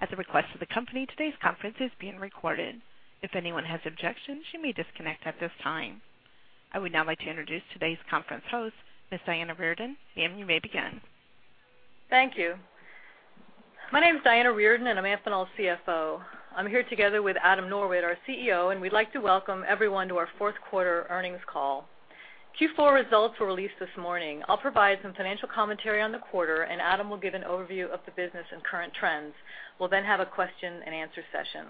At the request of the company, today's conference is being recorded. If anyone has objections, you may disconnect at this time. I would now like to introduce today's conference host, Ms. Diana Reardon. Ma'am, you may begin. Thank you. My name is Diana Reardon, and I'm Amphenol's CFO. I'm here together with Adam Norwitt, our CEO, and we'd like to welcome everyone to our fourth quarter earnings call. Q4 results were released this morning. I'll provide some financial commentary on the quarter, and Adam will give an overview of the business and current trends. We'll then have a question-and-answer session.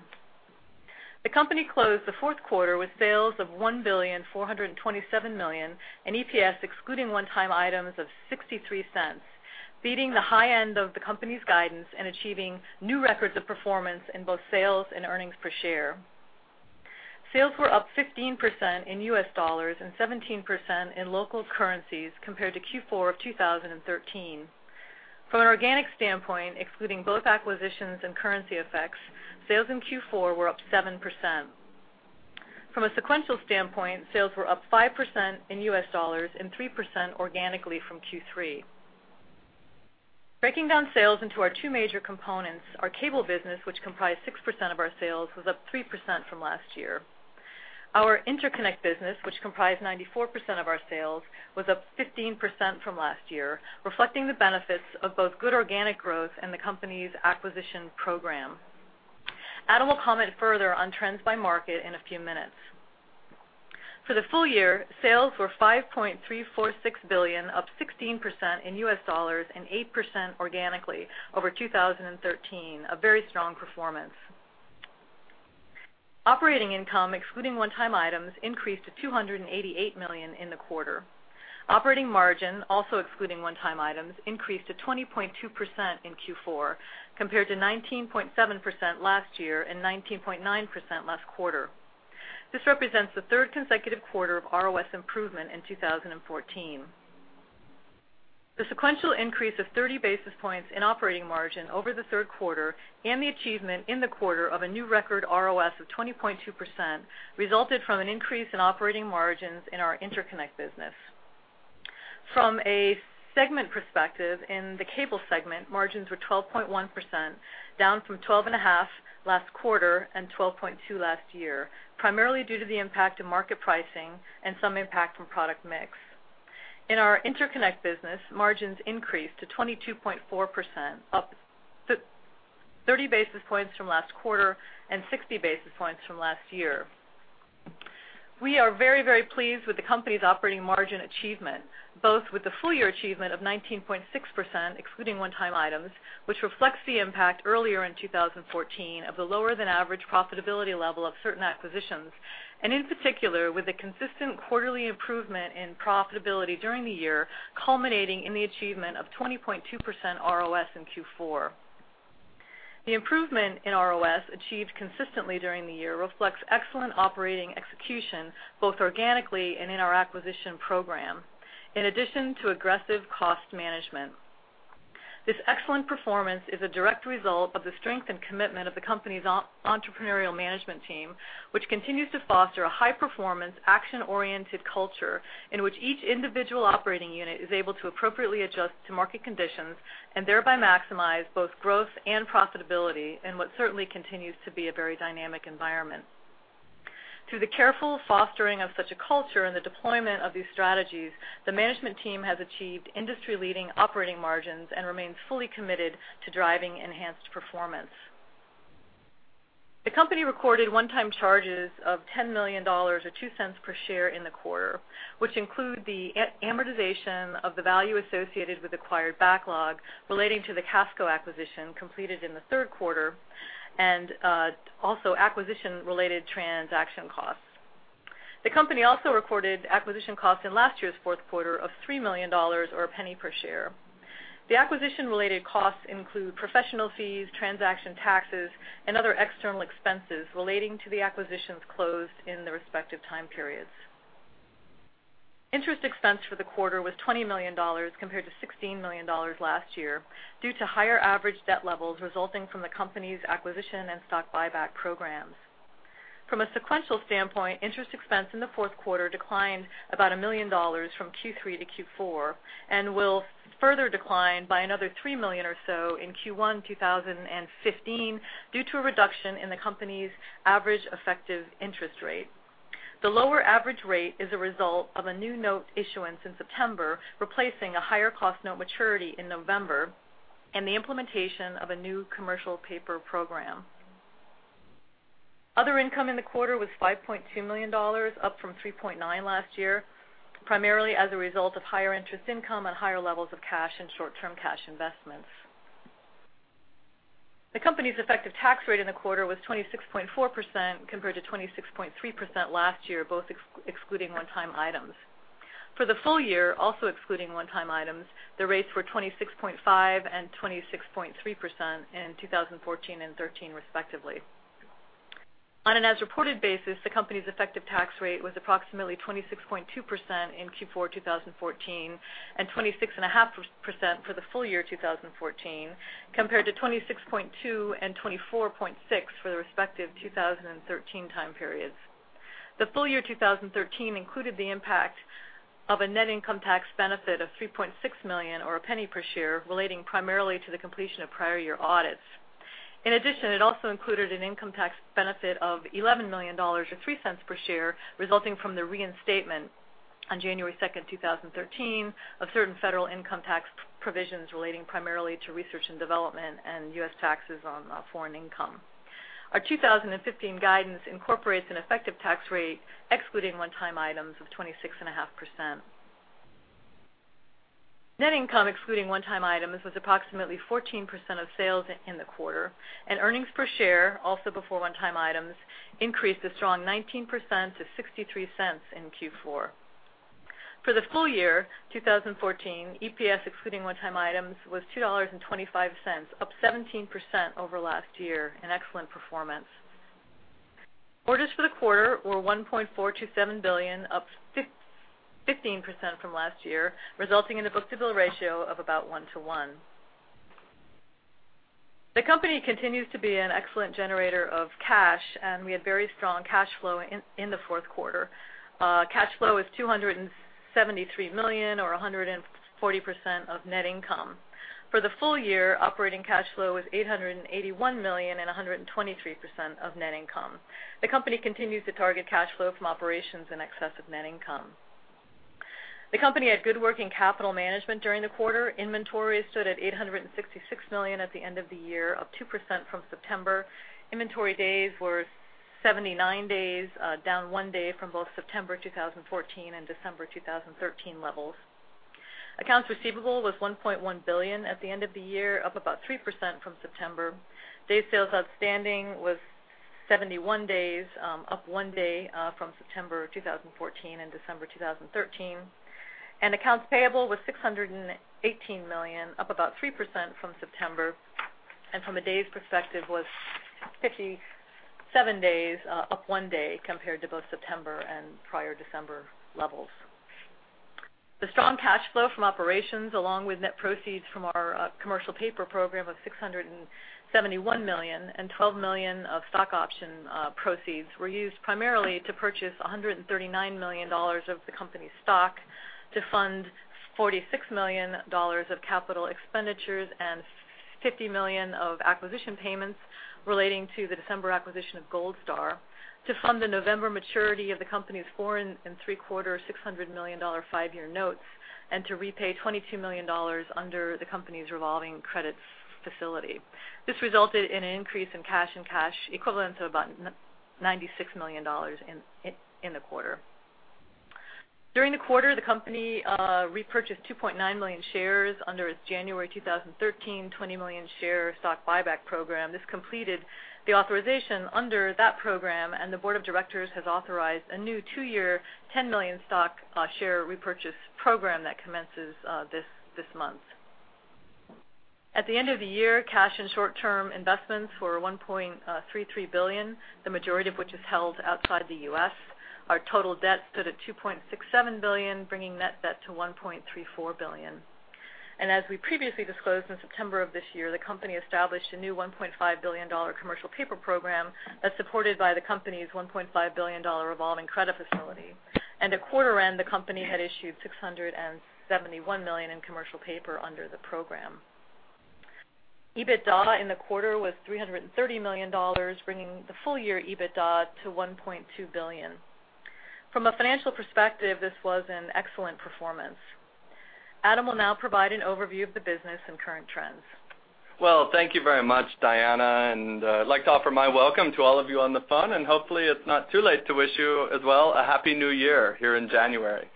The company closed the fourth quarter with sales of $1,427 million, and EPS, excluding one-time items, of $0.63, beating the high end of the company's guidance and achieving new records of performance in both sales and earnings per share. Sales were up 15% in U.S. dollars and 17% in local currencies compared to Q4 of 2013. From an organic standpoint, excluding both acquisitions and currency effects, sales in Q4 were up 7%. From a sequential standpoint, sales were up 5% in U.S. dollars and 3% organically from Q3. Breaking down sales into our two major components, our Cable business, which comprised 6% of our sales, was up 3% from last year. Our Interconnect business, which comprised 94% of our sales, was up 15% from last year, reflecting the benefits of both good organic growth and the company's acquisition program. Adam will comment further on trends by market in a few minutes. For the full year, sales were $5.346 billion, up 16% in U.S. dollars and 8% organically over 2013, a very strong performance. Operating income, excluding one-time items, increased to $288 million in the quarter. Operating margin, also excluding one-time items, increased to 20.2% in Q4, compared to 19.7% last year and 19.9% last quarter. This represents the third consecutive quarter of ROS improvement in 2014. The sequential increase of 30 basis points in operating margin over the third quarter and the achievement in the quarter of a new record ROS of 20.2% resulted from an increase in operating margins in our Interconnect business. From a segment perspective, in the Cable segment, margins were 12.1%, down from 12.5% last quarter and 12.2% last year, primarily due to the impact of market pricing and some impact from product mix. In our Interconnect business, margins increased to 22.4%, up 30 basis points from last quarter and 60 basis points from last year. We are very, very pleased with the company's operating margin achievement, both with the full year achievement of 19.6%, excluding one-time items, which reflects the impact earlier in 2014 of the lower-than-average profitability level of certain acquisitions, and in particular, with the consistent quarterly improvement in profitability during the year, culminating in the achievement of 20.2% ROS in Q4. The improvement in ROS, achieved consistently during the year, reflects excellent operating execution, both organically and in our acquisition program, in addition to aggressive cost management. This excellent performance is a direct result of the strength and commitment of the company's entrepreneurial management team, which continues to foster a high-performance, action-oriented culture in which each individual operating unit is able to appropriately adjust to market conditions and thereby maximize both growth and profitability in what certainly continues to be a very dynamic environment. Through the careful fostering of such a culture and the deployment of these strategies, the management team has achieved industry-leading operating margins and remains fully committed to driving enhanced performance. The company recorded one-time charges of $10 million or $0.02 per share in the quarter, which include the amortization of the value associated with acquired backlog relating to the Casco acquisition completed in the third quarter and also acquisition-related transaction costs. The company also recorded acquisition costs in last year's fourth quarter of $3 million or $0.01 per share. The acquisition-related costs include professional fees, transaction taxes, and other external expenses relating to the acquisitions closed in the respective time periods. Interest expense for the quarter was $20 million compared to $16 million last year, due to higher average debt levels resulting from the company's acquisition and stock buyback programs. From a sequential standpoint, interest expense in the fourth quarter declined about $1 million from Q3 to Q4 and will further decline by another $3 million or so in Q1 2015 due to a reduction in the company's average effective interest rate. The lower average rate is a result of a new note issuance in September, replacing a higher-cost note maturity in November, and the implementation of a new commercial paper program. Other income in the quarter was $5.2 million, up from $3.9 million last year, primarily as a result of higher interest income and higher levels of cash and short-term cash investments. The company's effective tax rate in the quarter was 26.4%, compared to 26.3% last year, both excluding one-time items. For the full year, also excluding one-time items, the rates were 26.5% and 26.3% in 2014 and 2013, respectively. On an as-reported basis, the company's effective tax rate was approximately 26.2% in Q4 2014, and 26.5% for the full year 2014, compared to 26.2% and 24.6% for the respective 2013 time periods. The full year 2013 included the impact of a net income tax benefit of $3.6 million or $0.01 per share, relating primarily to the completion of prior year audits. In addition, it also included an income tax benefit of $11 million or $0.03 per share, resulting from the reinstatement on January 2, 2013, of certain federal income tax provisions relating primarily to research and development and U.S. taxes on foreign income. Our 2015 guidance incorporates an effective tax rate, excluding one-time items, of 26.5%. Net income, excluding one-time items, was approximately 14% of sales in the quarter, and earnings per share, also before one-time items, increased a strong 19% to $0.63 in Q4. For the full year, 2014, EPS, excluding one-time items, was $2.25, up 17% over last year, an excellent performance. Orders for the quarter were $1.427 billion, up 15% from last year, resulting in a book-to-bill ratio of about 1:1. The company continues to be an excellent generator of cash, and we had very strong cash flow in the fourth quarter. Cash flow was $273 million or 140% of net income. For the full year, operating cash flow was $881 million and 123% of net income. The company continues to target cash flow from operations in excess of net income. The company had good working capital management during the quarter. Inventory stood at $866 million at the end of the year, up 2% from September. Inventory days were 79 days, down 1 day from both September 2014 and December 2013 levels. Accounts receivable was $1.1 billion at the end of the year, up about 3% from September. Days sales outstanding was 71 days, up 1 day, from September 2014 and December 2013. Accounts payable was $618 million, up about 3% from September, and from a days perspective, was 57 days, up 1 day compared to both September and prior December levels. The strong cash flow from operations, along with net proceeds from our commercial paper program of $671 million and $12 million of stock option proceeds, were used primarily to purchase $139 million of the company's stock to fund $46 million of capital expenditures and $50 million of acquisition payments relating to the December acquisition of Gold Star, to fund the November maturity of the company's four and three-quarter $600 million five-year notes, and to repay $22 million under the company's revolving credit facility. This resulted in an increase in cash and cash equivalents of about $96 million in the quarter. During the quarter, the company repurchased 2.9 million shares under its January 2013, 20 million share stock buyback program. This completed the authorization under that program, and the board of directors has authorized a new two-year, 10 million share repurchase program that commences this month. At the end of the year, cash and short-term investments were $1.33 billion, the majority of which is held outside the U.S. Our total debt stood at $2.67 billion, bringing net debt to $1.34 billion. And as we previously disclosed, in September of this year, the company established a new $1.5 billion commercial paper program that's supported by the company's $1.5 billion revolving credit facility. And at quarter end, the company had issued $671 million in commercial paper under the program. EBITDA in the quarter was $330 million, bringing the full-year EBITDA to $1.2 billion. From a financial perspective, this was an excellent performance. Adam will now provide an overview of the business and current trends. Well, thank you very much, Diana, and I'd like to offer my welcome to all of you on the phone, and hopefully it's not too late to wish you as well a Happy New Year here in January.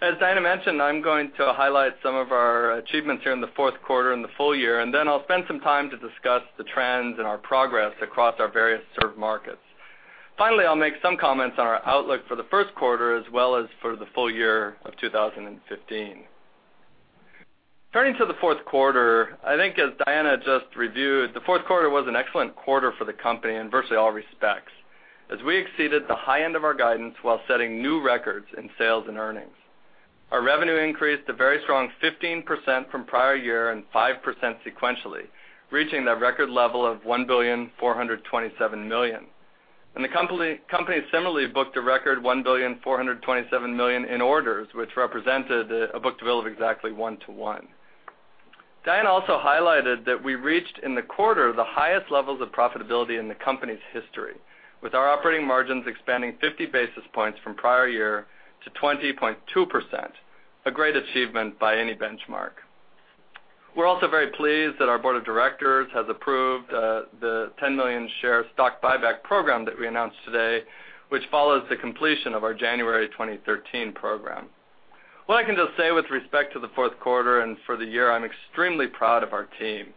As Diana mentioned, I'm going to highlight some of our achievements here in the fourth quarter and the full year, and then I'll spend some time to discuss the trends and our progress across our various served markets. Finally, I'll make some comments on our outlook for the first quarter as well as for the full year of 2015. Turning to the fourth quarter, I think as Diana just reviewed, the fourth quarter was an excellent quarter for the company in virtually all respects, as we exceeded the high end of our guidance while setting new records in sales and earnings. Our revenue increased a very strong 15% from prior year and 5% sequentially, reaching that record level of $1.427 billion. The company similarly booked a record $1.427 billion in orders, which represented a book-to-bill of exactly 1:1. Diana also highlighted that we reached, in the quarter, the highest levels of profitability in the company's history, with our operating margins expanding 50 basis points from prior year to 20.2%, a great achievement by any benchmark. We're also very pleased that our Board of Directors has approved the 10 million share stock buyback program that we announced today, which follows the completion of our January 2013 program. What I can just say with respect to the fourth quarter and for the year, I'm extremely proud of our team.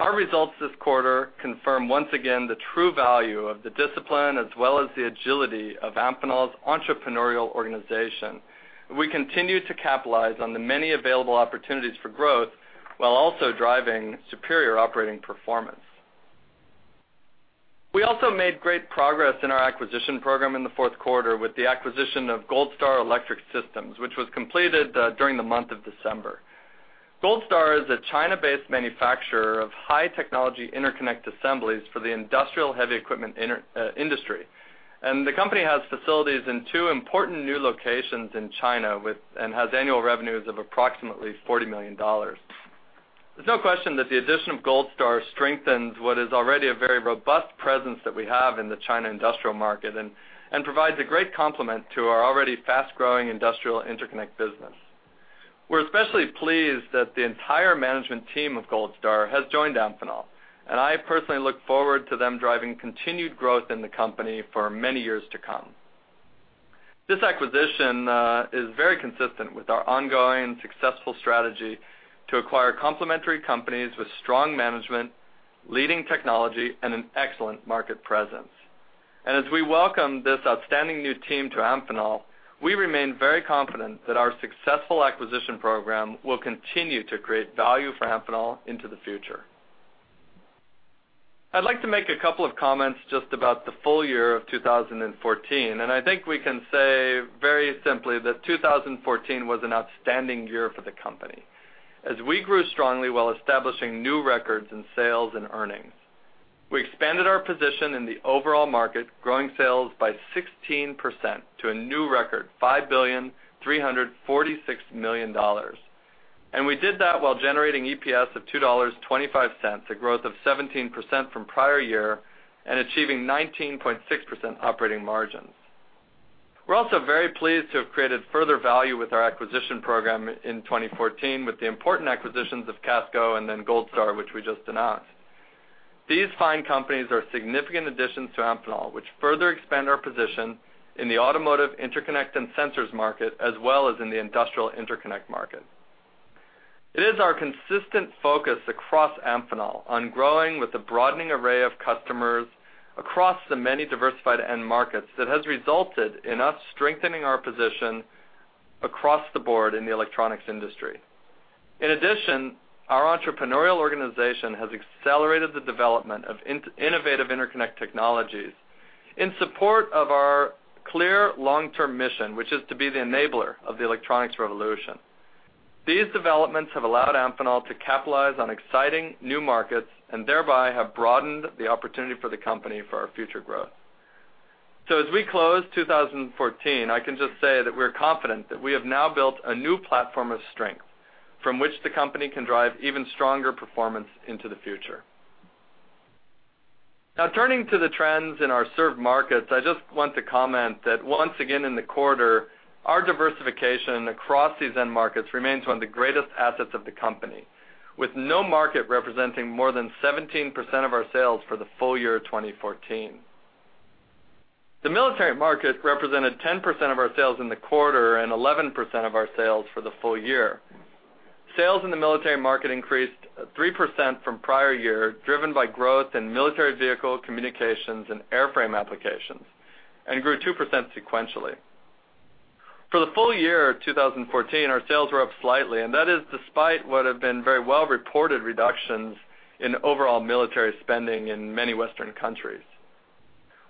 Our results this quarter confirm once again the true value of the discipline as well as the agility of Amphenol's entrepreneurial organization. We continue to capitalize on the many available opportunities for growth while also driving superior operating performance. We also made great progress in our acquisition program in the fourth quarter with the acquisition of Gold Star Electronic Systems, which was completed during the month of December. Gold Star is a China-based manufacturer of high-technology interconnect assemblies for the industrial heavy equipment industry, and the company has facilities in two important new locations in China and has annual revenues of approximately $40 million. There's no question that the addition of Gold Star strengthens what is already a very robust presence that we have in the China industrial market and provides a great complement to our already fast-growing industrial interconnect business. We're especially pleased that the entire management team of Gold Star has joined Amphenol, and I personally look forward to them driving continued growth in the company for many years to come. This acquisition is very consistent with our ongoing successful strategy to acquire complementary companies with strong management, leading technology, and an excellent market presence. As we welcome this outstanding new team to Amphenol, we remain very confident that our successful acquisition program will continue to create value for Amphenol into the future. I'd like to make a couple of comments just about the full year of 2014, and I think we can say very simply that 2014 was an outstanding year for the company as we grew strongly while establishing new records in sales and earnings. We expanded our position in the overall market, growing sales by 16% to a new record, $5.346 billion. We did that while generating EPS of $2.25, a growth of 17% from prior year and achieving 19.6% operating margins. We're also very pleased to have created further value with our acquisition program in 2014 with the important acquisitions of Casco and then Gold Star, which we just announced. These fine companies are significant additions to Amphenol, which further expand our position in the automotive interconnect and sensors market, as well as in the industrial interconnect market. It is our consistent focus across Amphenol on growing with a broadening array of customers across the many diversified end markets that has resulted in us strengthening our position across the board in the electronics industry. In addition, our entrepreneurial organization has accelerated the development of innovative interconnect technologies in support of our clear long-term mission, which is to be the enabler of the electronics revolution. These developments have allowed Amphenol to capitalize on exciting new markets and thereby have broadened the opportunity for the company for our future growth. So as we close 2014, I can just say that we're confident that we have now built a new platform of strength from which the company can drive even stronger performance into the future. Now, turning to the trends in our served markets, I just want to comment that once again in the quarter, our diversification across these end markets remains one of the greatest assets of the company, with no market representing more than 17% of our sales for the full year 2014. The military market represented 10% of our sales in the quarter and 11% of our sales for the full year. Sales in the military market increased three percent from prior year, driven by growth in military vehicle communications and airframe applications, and grew 2% sequentially. For the full year 2014, our sales were up slightly, and that is despite what have been very well-reported reductions in overall military spending in many Western countries.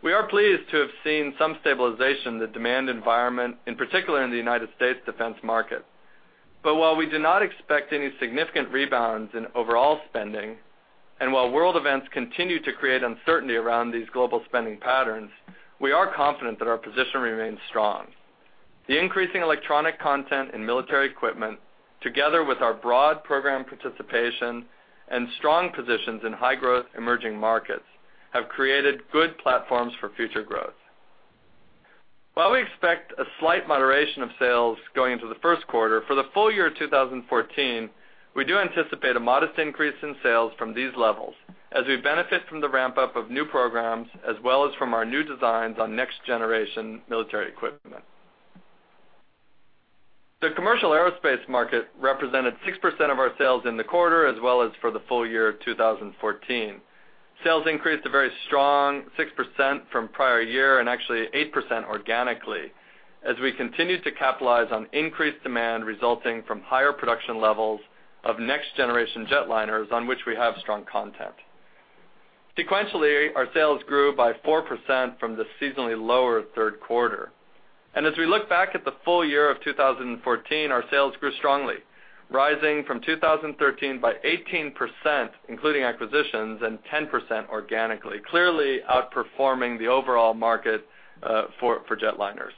We are pleased to have seen some stabilization in the demand environment, in particular in the United States defense market. But while we do not expect any significant rebounds in overall spending, and while world events continue to create uncertainty around these global spending patterns, we are confident that our position remains strong. The increasing electronic content in military equipment, together with our broad program participation and strong positions in high-growth emerging markets, have created good platforms for future growth. While we expect a slight moderation of sales going into the first quarter, for the full year 2014, we do anticipate a modest increase in sales from these levels as we benefit from the ramp-up of new programs as well as from our new designs on next-generation military equipment. The commercial aerospace market represented 6% of our sales in the quarter, as well as for the full year of 2014. Sales increased a very strong 6% from prior year and actually 8% organically, as we continued to capitalize on increased demand resulting from higher production levels of next-generation jetliners, on which we have strong content. Sequentially, our sales grew by 4% from the seasonally lower third quarter. As we look back at the full year of 2014, our sales grew strongly, rising from 2013 by 18%, including acquisitions, and 10% organically, clearly outperforming the overall market for jetliners.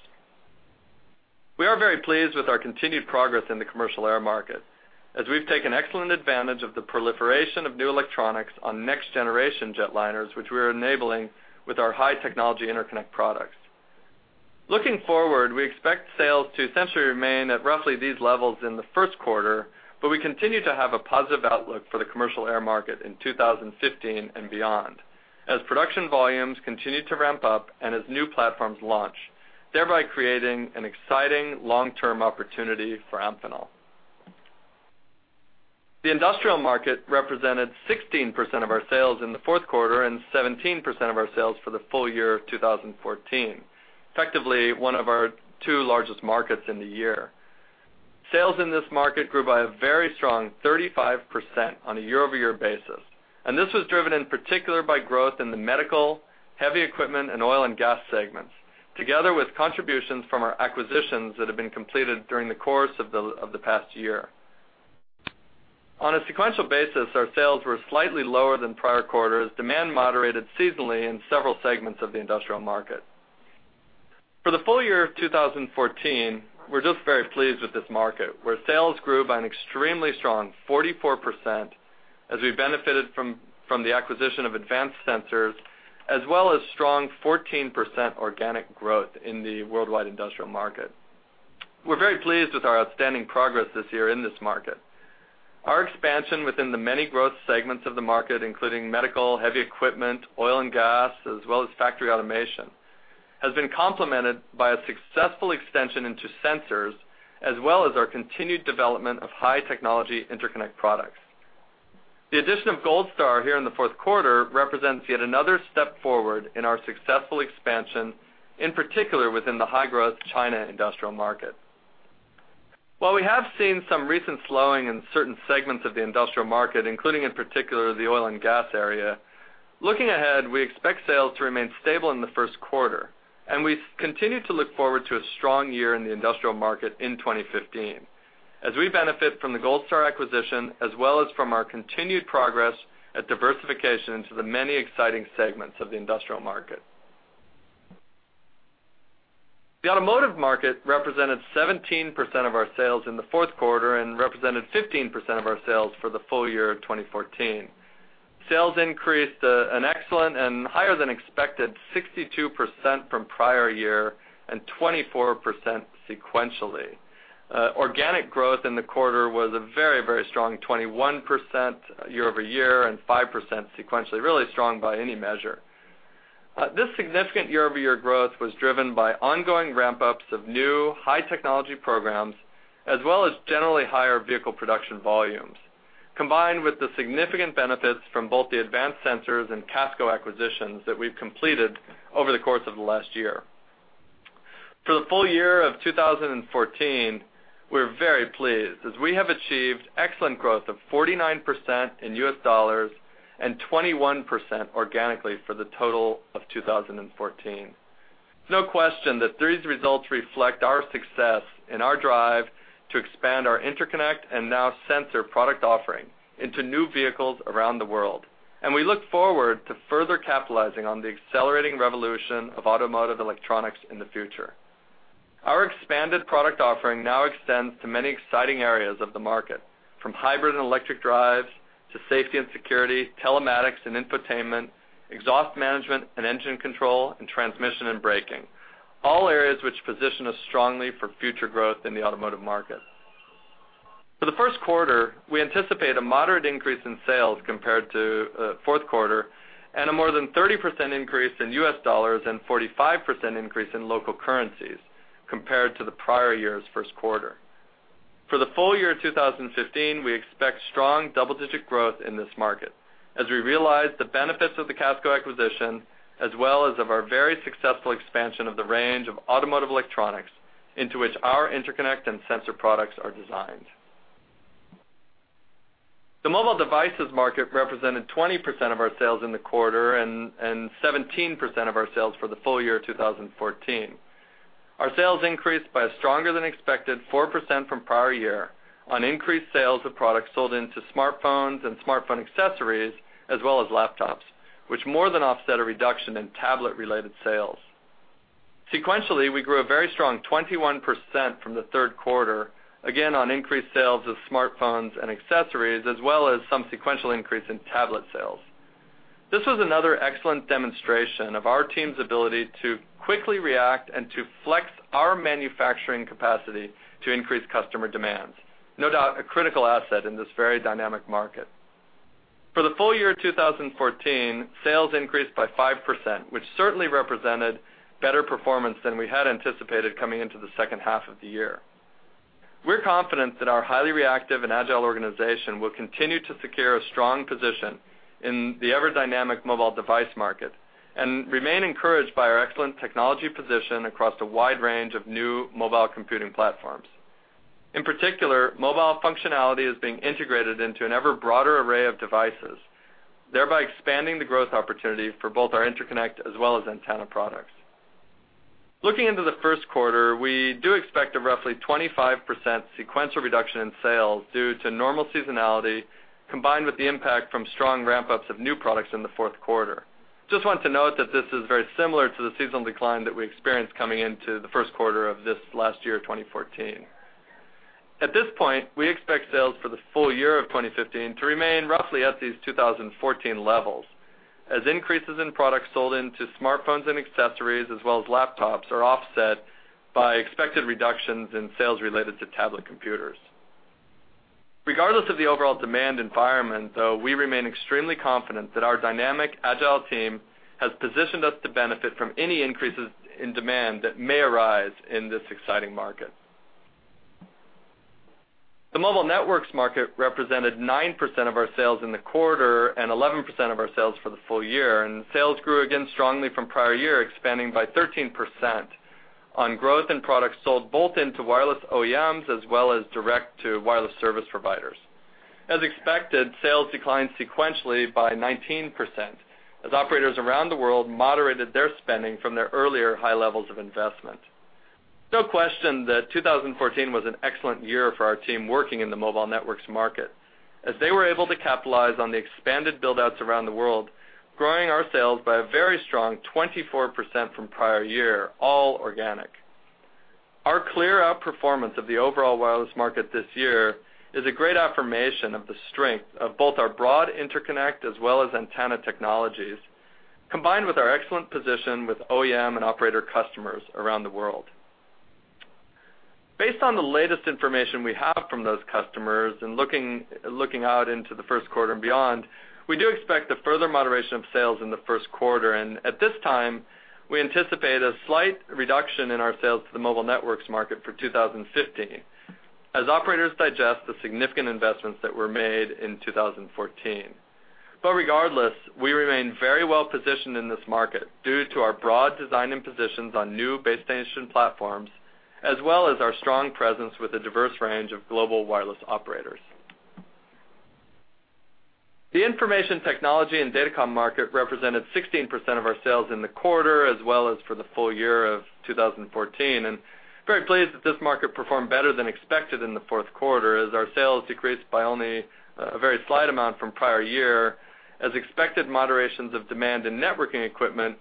We are very pleased with our continued progress in the commercial air market, as we've taken excellent advantage of the proliferation of new electronics on next-generation jetliners, which we are enabling with our high-technology interconnect products. Looking forward, we expect sales to essentially remain at roughly these levels in the first quarter, but we continue to have a positive outlook for the commercial air market in 2015 and beyond, as production volumes continue to ramp up and as new platforms launch, thereby creating an exciting long-term opportunity for Amphenol. The industrial market represented 16% of our sales in the fourth quarter and 17% of our sales for the full year of 2014, effectively one of our two largest markets in the year. Sales in this market grew by a very strong 35% on a year-over-year basis, and this was driven in particular by growth in the medical, heavy equipment and oil and gas segments, together with contributions from our acquisitions that have been completed during the course of the past year. On a sequential basis, our sales were slightly lower than prior quarters. Demand moderated seasonally in several segments of the industrial market. For the full year of 2014, we're just very pleased with this market, where sales grew by an extremely strong 44% as we benefited from the acquisition of Advanced Sensors, as well as strong 14% organic growth in the worldwide industrial market. We're very pleased with our outstanding progress this year in this market. Our expansion within the many growth segments of the market, including medical, heavy equipment, oil and gas, as well as factory automation, has been complemented by a successful extension into sensors, as well as our continued development of high technology interconnect products. The addition of Gold Star here in the fourth quarter represents yet another step forward in our successful expansion, in particular, within the high-growth China industrial market. While we have seen some recent slowing in certain segments of the industrial market, including, in particular, the oil and gas area, looking ahead, we expect sales to remain stable in the first quarter, and we continue to look forward to a strong year in the industrial market in 2015, as we benefit from the Gold Star acquisition, as well as from our continued progress at diversification into the many exciting segments of the industrial market. The automotive market represented 17% of our sales in the fourth quarter and represented 15% of our sales for the full year of 2014. Sales increased an excellent and higher than expected 62% from prior year and 24% sequentially. Organic growth in the quarter was a very, very strong 21% year-over-year and 5% sequentially, really strong by any measure. This significant year-over-year growth was driven by ongoing ramp-ups of new, high-technology programs, as well as generally higher vehicle production volumes, combined with the significant benefits from both the Advanced Sensors and Casco acquisitions that we've completed over the course of the last year. For the full year of 2014, we're very pleased as we have achieved excellent growth of 49% in U.S. dollars and 21% organically for the total of 2014. There's no question that these results reflect our success and our drive to expand our interconnect and now sensor product offering into new vehicles around the world. We look forward to further capitalizing on the accelerating revolution of automotive electronics in the future. Our expanded product offering now extends to many exciting areas of the market, from hybrid and electric drives to safety and security, telematics and infotainment, exhaust management and engine control, and transmission and braking, all areas which position us strongly for future growth in the automotive market. For the first quarter, we anticipate a moderate increase in sales compared to fourth quarter, and a more than 30% increase in U.S. dollars and 45% increase in local currencies compared to the prior year's first quarter. For the full year of 2015, we expect strong double-digit growth in this market as we realize the benefits of the Casco acquisition, as well as of our very successful expansion of the range of automotive electronics into which our interconnect and sensor products are designed. The mobile devices market represented 20% of our sales in the quarter and 17% of our sales for the full year of 2014. Our sales increased by a stronger-than-expected 4% from prior year on increased sales of products sold into smartphones and smartphone accessories, as well as laptops, which more than offset a reduction in tablet-related sales. Sequentially, we grew a very strong 21% from the third quarter, again, on increased sales of smartphones and accessories, as well as some sequential increase in tablet sales. This was another excellent demonstration of our team's ability to quickly react and to flex our manufacturing capacity to increase customer demands. No doubt, a critical asset in this very dynamic market. For the full year of 2014, sales increased by 5%, which certainly represented better performance than we had anticipated coming into the second half of the year. We're confident that our highly reactive and agile organization will continue to secure a strong position in the ever-dynamic mobile device market and remain encouraged by our excellent technology position across a wide range of new mobile computing platforms. In particular, mobile functionality is being integrated into an ever-broader array of devices, thereby expanding the growth opportunity for both our interconnect as well as antenna products. Looking into the first quarter, we do expect a roughly 25% sequential reduction in sales due to normal seasonality, combined with the impact from strong ramp-ups of new products in the fourth quarter. Just want to note that this is very similar to the seasonal decline that we experienced coming into the first quarter of this last year, 2014. At this point, we expect sales for the full year of 2015 to remain roughly at these 2014 levels, as increases in products sold into smartphones and accessories, as well as laptops, are offset by expected reductions in sales related to tablet computers. Regardless of the overall demand environment, though, we remain extremely confident that our dynamic, agile team has positioned us to benefit from any increases in demand that may arise in this exciting market. The mobile networks market represented 9% of our sales in the quarter and 11% of our sales for the full year, and sales grew again strongly from prior year, expanding by 13% on growth in products sold both into wireless OEMs as well as direct to wireless service providers. As expected, sales declined sequentially by 19%, as operators around the world moderated their spending from their earlier high levels of investment. No question that 2014 was an excellent year for our team working in the mobile networks market, as they were able to capitalize on the expanded build-outs around the world, growing our sales by a very strong 24% from prior year, all organic. Our clear outperformance of the overall wireless market this year is a great affirmation of the strength of both our broad interconnect as well as antenna technologies, combined with our excellent position with OEM and operator customers around the world. Based on the latest information we have from those customers, and looking out into the first quarter and beyond, we do expect a further moderation of sales in the first quarter. At this time, we anticipate a slight reduction in our sales to the mobile networks market for 2015, as operators digest the significant investments that were made in 2014. Regardless, we remain very well positioned in this market due to our broad design and positions on new base station platforms, as well as our strong presence with a diverse range of global wireless operators. The information technology and datacom market represented 16% of our sales in the quarter, as well as for the full year of 2014, and very pleased that this market performed better than expected in the fourth quarter, as our sales decreased by only a very slight amount from prior year, as expected moderations of demand in networking equipment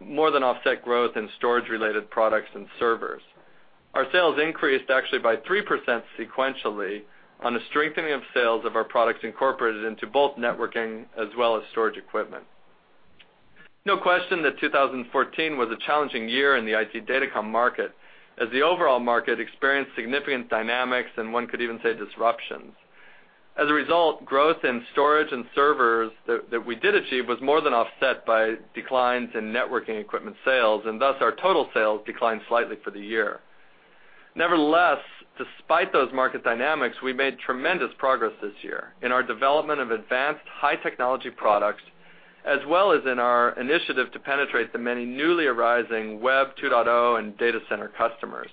more than offset growth in storage-related products and servers. Our sales increased actually by 3% sequentially on a strengthening of sales of our products incorporated into both networking as well as storage equipment. No question that 2014 was a challenging year in the IT datacom market, as the overall market experienced significant dynamics and one could even say disruptions. As a result, growth in storage and servers that we did achieve was more than offset by declines in networking equipment sales, and thus, our total sales declined slightly for the year. Nevertheless, despite those market dynamics, we made tremendous progress this year in our development of advanced, high-technology products, as well as in our initiative to penetrate the many newly arising Web 2.0 and data center customers.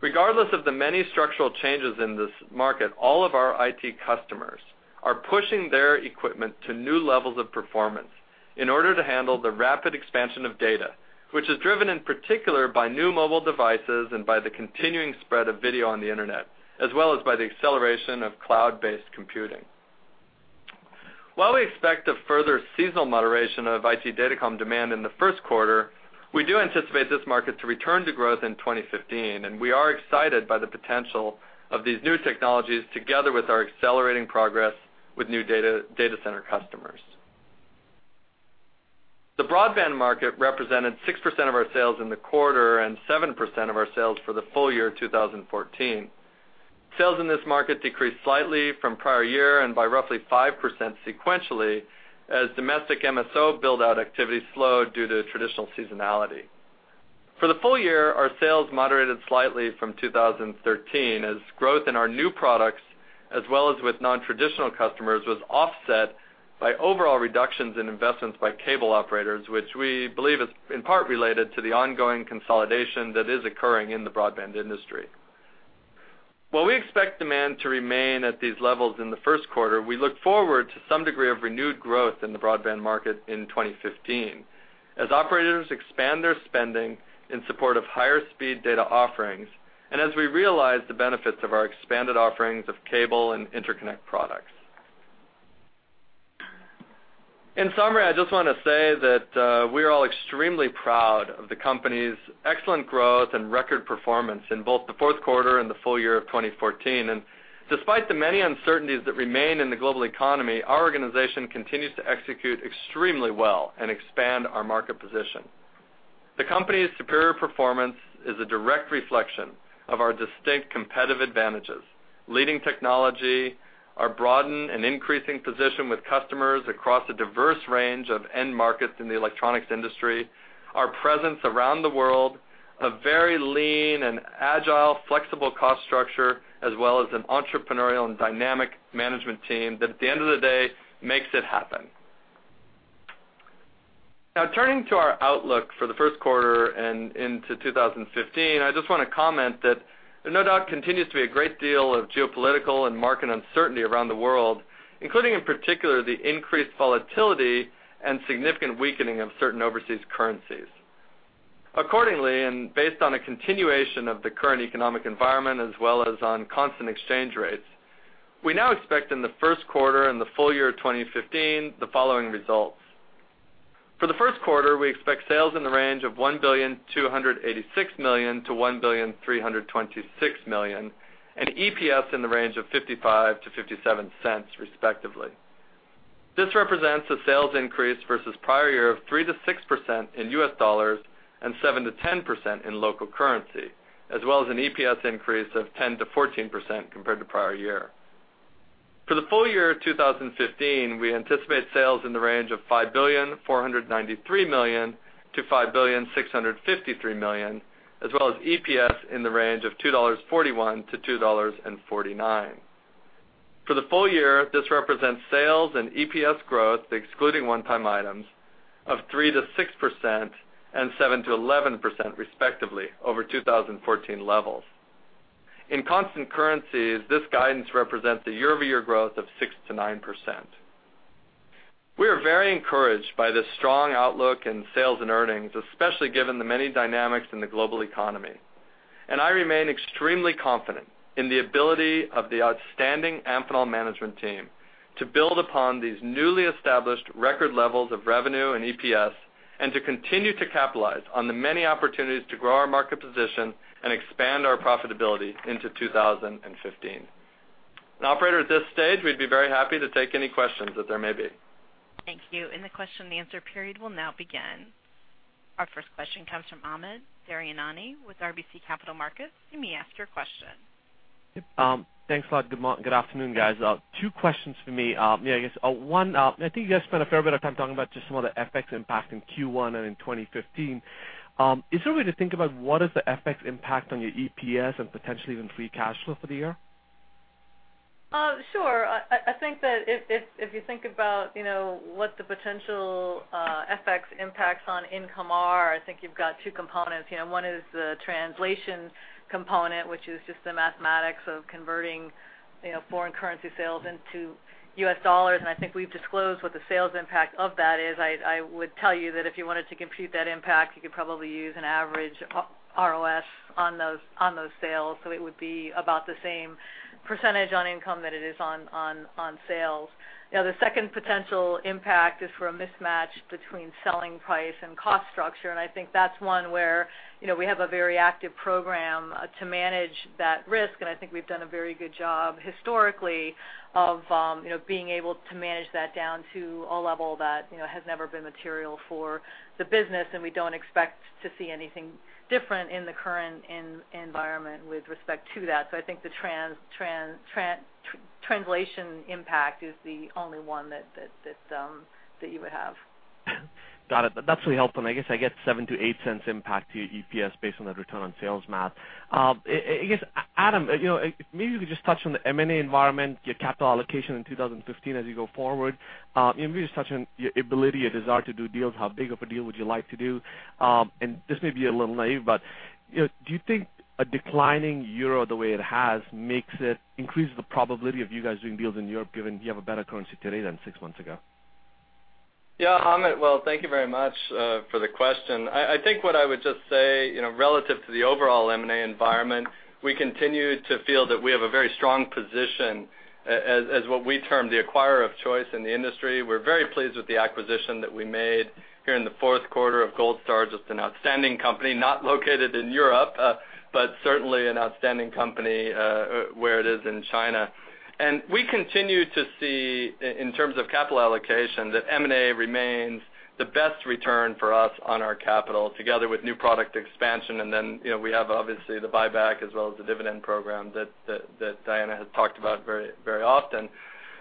Regardless of the many structural changes in this market, all of our IT customers are pushing their equipment to new levels of performance in order to handle the rapid expansion of data, which is driven in particular by new mobile devices and by the continuing spread of video on the internet, as well as by the acceleration of cloud-based computing. While we expect a further seasonal moderation of IT datacom demand in the first quarter, we do anticipate this market to return to growth in 2015, and we are excited by the potential of these new technologies, together with our accelerating progress with new data, data center customers. The broadband market represented 6% of our sales in the quarter and 7% of our sales for the full year of 2014. Sales in this market decreased slightly from prior year and by roughly 5% sequentially, as domestic MSO build-out activity slowed due to traditional seasonality. For the full year, our sales moderated slightly from 2013, as growth in our new products, as well as with nontraditional customers, was offset by overall reductions in investments by cable operators, which we believe is in part related to the ongoing consolidation that is occurring in the broadband industry. While we expect demand to remain at these levels in the first quarter, we look forward to some degree of renewed growth in the broadband market in 2015, as operators expand their spending in support of higher-speed data offerings, and as we realize the benefits of our expanded offerings of cable and interconnect products. In summary, I just wanna say that, we are all extremely proud of the company's excellent growth and record performance in both the fourth quarter and the full year of 2014. Despite the many uncertainties that remain in the global economy, our organization continues to execute extremely well and expand our market position. The company's superior performance is a direct reflection of our distinct competitive advantages, leading technology, our broadened and increasing position with customers across a diverse range of end markets in the electronics industry, our presence around the world, a very lean and agile, flexible cost structure, as well as an entrepreneurial and dynamic management team that, at the end of the day, makes it happen. Now, turning to our outlook for the first quarter and into 2015, I just wanna comment that there, no doubt, continues to be a great deal of geopolitical and market uncertainty around the world, including, in particular, the increased volatility and significant weakening of certain overseas currencies. Accordingly, and based on a continuation of the current economic environment, as well as on constant exchange rates, we now expect in the first quarter and the full year of 2015, the following results: For the first quarter, we expect sales in the range of $1,286 million-$1,326 million, and EPS in the range of $0.55-$0.57, respectively. This represents a sales increase versus prior year of 3%-6% in U.S. dollars and 7%-10% in local currency, as well as an EPS increase of 10%-14% compared to prior year. For the full year of 2015, we anticipate sales in the range of $5.493 billion-$5.653 billion, as well as EPS in the range of $2.41-$2.49. For the full year, this represents sales and EPS growth, excluding one-time items, of 3%-6% and 7%-11%, respectively, over 2014 levels. In constant currencies, this guidance represents a year-over-year growth of 6%-9%. We are very encouraged by this strong outlook in sales and earnings, especially given the many dynamics in the global economy. I remain extremely confident in the ability of the outstanding Amphenol management team to build upon these newly established record levels of revenue and EPS, and to continue to capitalize on the many opportunities to grow our market position and expand our profitability into 2015. Now, operator, at this stage, we'd be very happy to take any questions that there may be. Thank you. The question-and-answer period will now begin. Our first question comes from Amit Daryanani with RBC Capital Markets. You may ask your question. Yep, thanks a lot. Good afternoon, guys. Two questions for me. Yeah, I guess, one, I think you guys spent a fair bit of time talking about just some of the FX impact in Q1 and in 2015. Is there a way to think about what is the FX impact on your EPS and potentially even free cash flow for the year? Sure. I think that if you think about, you know, what the potential FX impacts on income are, I think you've got two components. You know, one is the translation component, which is just the mathematics of converting, you know, foreign currency sales into U.S. dollars, and I think we've disclosed what the sales impact of that is. I would tell you that if you wanted to compute that impact, you could probably use an average ROS on those sales, so it would be about the same percentage on income than it is on sales. You know, the second potential impact is from a mismatch between selling price and cost structure, and I think that's one where, you know, we have a very active program to manage that risk, and I think we've done a very good job historically of, you know, being able to manage that down to a level that, you know, has never been material for the business, and we don't expect to see anything different in the current environment with respect to that. So I think the translation impact is the only one that you would have. Got it. That's really helpful, and I guess I get $0.07-$0.08 impact to your EPS based on that return on sales math. I guess, Adam, you know, maybe you could just touch on the M&A environment, your capital allocation in 2015 as you go forward, and maybe just touch on your ability and desire to do deals, how big of a deal would you like to do? And this may be a little naive, but, you know, do you think a declining euro, the way it has, makes it-- increases the probability of you guys doing deals in Europe, given you have a better currency today than six months ago? Yeah, Amit, well, thank you very much for the question. I think what I would just say, you know, relative to the overall M&A environment, we continue to feel that we have a very strong position as what we term the acquirer of choice in the industry. We're very pleased with the acquisition that we made here in the fourth quarter of Gold Star, just an outstanding company, not located in Europe, but certainly an outstanding company, where it is in China. And we continue to see, in terms of capital allocation, that M&A remains the best return for us on our capital, together with new product expansion, and then, you know, we have, obviously, the buyback as well as the dividend program that Diana has talked about very, very often.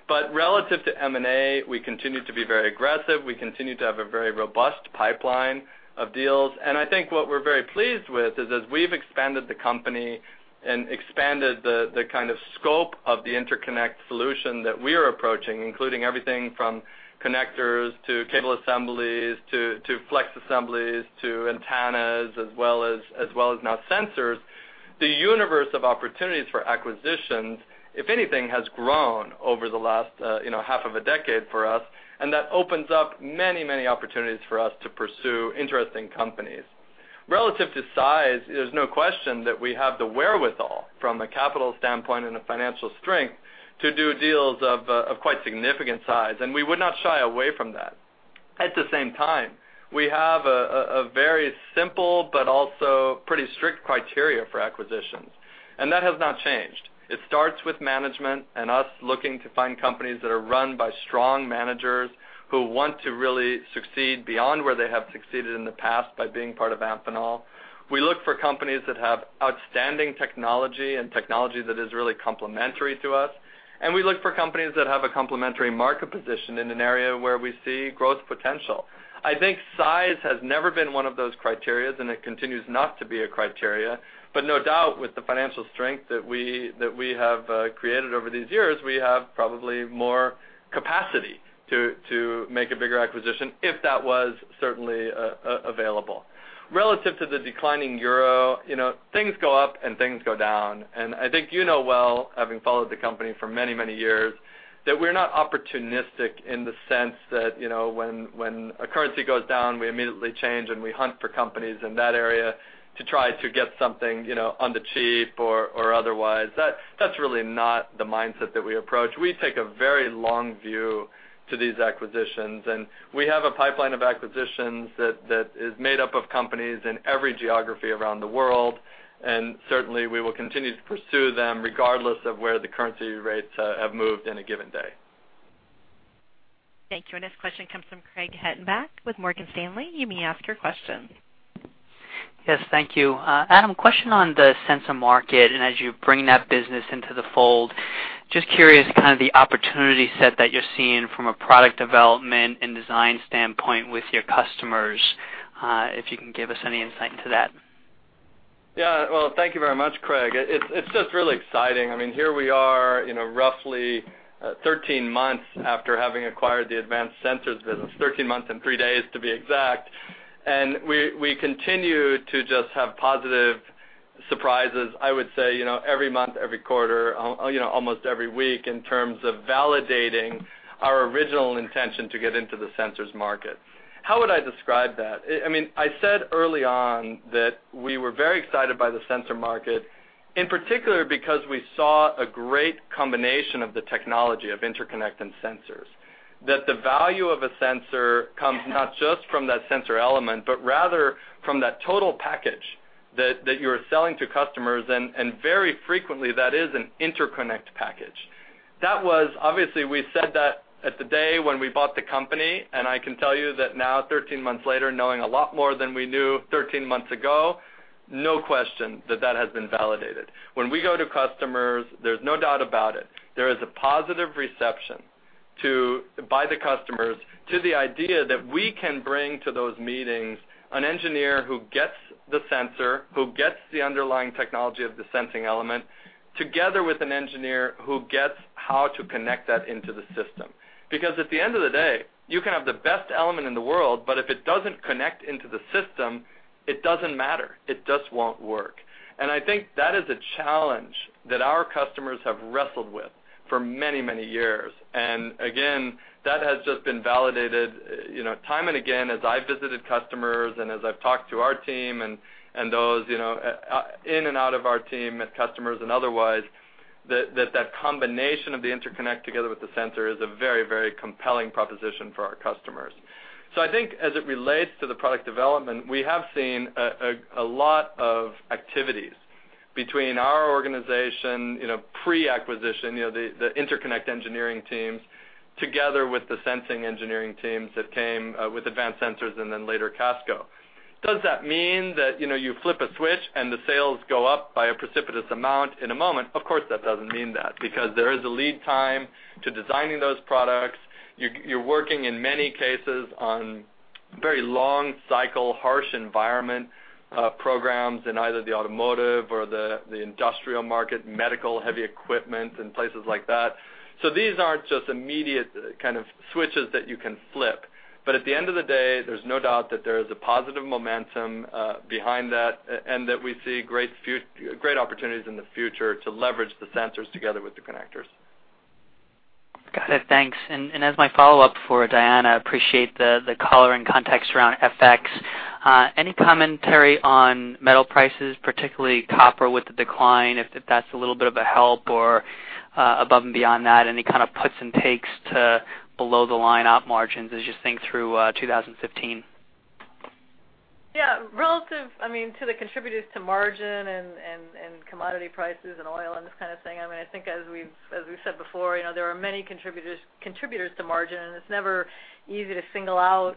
But relative to M&A, we continue to be very aggressive. We continue to have a very robust pipeline of deals. I think what we're very pleased with is, as we've expanded the company and expanded the kind of scope of the interconnect solution that we are approaching, including everything from connectors to cable assemblies to flex assemblies to antennas, as well as now sensors, the universe of opportunities for acquisitions, if anything, has grown over the last, you know, half of a decade for us, and that opens up many, many opportunities for us to pursue interesting companies. Relative to size, there's no question that we have the wherewithal from a capital standpoint and the financial strength to do deals of quite significant size, and we would not shy away from that. At the same time, we have a very simple but also pretty strict criteria for acquisitions, and that has not changed. It starts with management and us looking to find companies that are run by strong managers who want to really succeed beyond where they have succeeded in the past by being part of Amphenol. We look for companies that have outstanding technology and technology that is really complementary to us, and we look for companies that have a complementary market position in an area where we see growth potential. I think size has never been one of those criterias, and it continues not to be a criteria, but no doubt, with the financial strength that we, that we have created over these years, we have probably more capacity to make a bigger acquisition, if that was certainly available. Relative to the declining euro, you know, things go up, and things go down. And I think you know well, having followed the company for many, many years, that we're not opportunistic in the sense that, you know, when, when a currency goes down, we immediately change, and we hunt for companies in that area to try to get something, you know, on the cheap or, or otherwise. That's really not the mindset that we approach. We take a very long view to these acquisitions, and we have a pipeline of acquisitions that, that is made up of companies in every geography around the world, and certainly, we will continue to pursue them, regardless of where the currency rates have moved in a given day. Thank you. Our next question comes from Craig Hettenbach with Morgan Stanley. You may ask your question. Yes, thank you. Adam, question on the sensor market, and as you bring that business into the fold, just curious, kind of the opportunity set that you're seeing from a product development and design standpoint with your customers, if you can give us any insight into that? Yeah, well, thank you very much, Craig. It's just really exciting. I mean, here we are, you know, roughly 13 months after having acquired the Advanced Sensors business, 13 months and three days, to be exact, and we continue to just have positive surprises, I would say, you know, every month, every quarter, you know, almost every week in terms of validating our original intention to get into the sensors market. How would I describe that? I mean, I said early on that we were very excited by the sensor market, in particular, because we saw a great combination of the technology of interconnect and sensors. That the value of a sensor comes not just from that sensor element, but rather from that total package that you're selling to customers, and very frequently, that is an interconnect package. That was, obviously, we said that at the day when we bought the company, and I can tell you that now, 13 months later, knowing a lot more than we knew 13 months ago, no question that that has been validated. When we go to customers, there's no doubt about it, there is a positive reception to, by the customers, to the idea that we can bring to those meetings an engineer who gets the sensor, who gets the underlying technology of the sensing element, together with an engineer who gets how to connect that into the system. Because at the end of the day, you can have the best element in the world, but if it doesn't connect into the system, it doesn't matter. It just won't work. I think that is a challenge that our customers have wrestled with for many, many years. And again, that has just been validated, you know, time and again, as I've visited customers and as I've talked to our team and those, you know, in and out of our team at customers and otherwise, that combination of the interconnect together with the sensor is a very, very compelling proposition for our customers. So I think as it relates to the product development, we have seen a lot of activities between our organization, you know, pre-acquisition, you know, the interconnect engineering teams, together with the sensing engineering teams that came with Advanced Sensors and then later Casco. Does that mean that, you know, you flip a switch, and the sales go up by a precipitous amount in a moment? Of course, that doesn't mean that, because there is a lead time to designing those products. You're working, in many cases, on very long cycle, harsh environment programs in either the automotive or the industrial market, medical, heavy equipment, and places like that. So these aren't just immediate kind of switches that you can flip. But at the end of the day, there's no doubt that there is a positive momentum behind that, and that we see great opportunities in the future to leverage the sensors together with the connectors. Got it. Thanks. And as my follow-up for Diana, I appreciate the color and context around FX. Any commentary on metal prices, particularly copper, with the decline, if that's a little bit of a help or, above and beyond that, any kind of puts and takes to below the line op margins as you think through 2015? Yeah, relative, I mean, to the contributors to margin and commodity prices and oil and this kind of thing, I mean, I think as we've said before, you know, there are many contributors to margin, and it's never easy to single out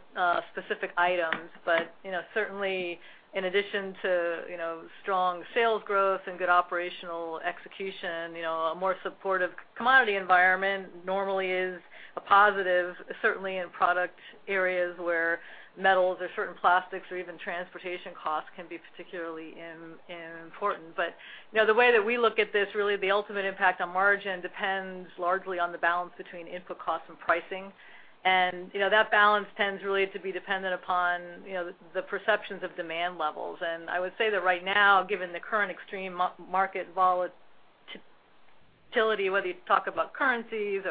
specific items. But, you know, certainly, in addition to, you know, strong sales growth and good operational execution, you know, a more supportive commodity environment normally is a positive, certainly in product areas where metals or certain plastics or even transportation costs can be particularly important. But, you know, the way that we look at this, really, the ultimate impact on margin depends largely on the balance between input costs and pricing. And, you know, that balance tends really to be dependent upon, you know, the perceptions of demand levels. I would say that right now, given the current extreme market volatility, whether you talk about currencies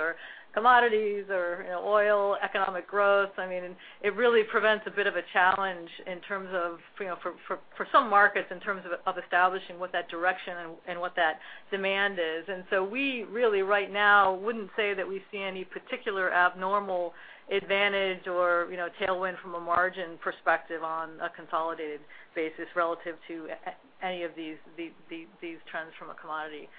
or commodities or, you know, oil, economic growth, I mean, it really presents a bit of a challenge in terms of, you know, for some markets, in terms of establishing what that direction and what that demand is. And so we really, right now, wouldn't say that we see any particular abnormal advantage or, you know, tailwind from a margin perspective on a consolidated basis relative to any of these trends from a commodity standpoint.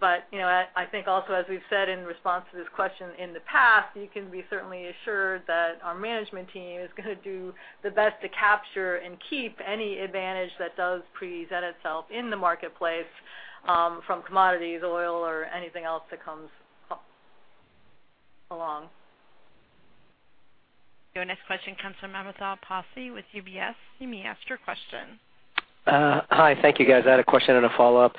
But, you know, I think also, as we've said in response to this question in the past, you can be certainly assured that our management team is gonna do the best to capture and keep any advantage that does present itself in the marketplace, from commodities, oil, or anything else that comes up along. Your next question comes from Amitabh Passi with UBS. You may ask your question. Hi. Thank you, guys. I had a question and a follow-up.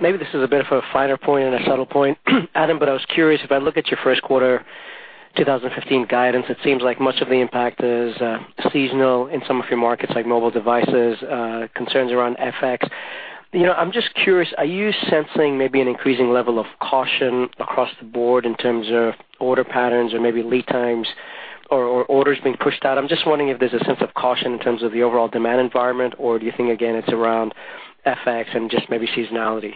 Maybe this is a bit of a finer point and a subtle point, Adam, but I was curious, if I look at your first quarter 2015 guidance, it seems like much of the impact is seasonal in some of your markets, like mobile devices, concerns around FX. You know, I'm just curious, are you sensing maybe an increasing level of caution across the board in terms of order patterns or maybe lead times or orders being pushed out? I'm just wondering if there's a sense of caution in terms of the overall demand environment, or do you think, again, it's around FX and just maybe seasonality?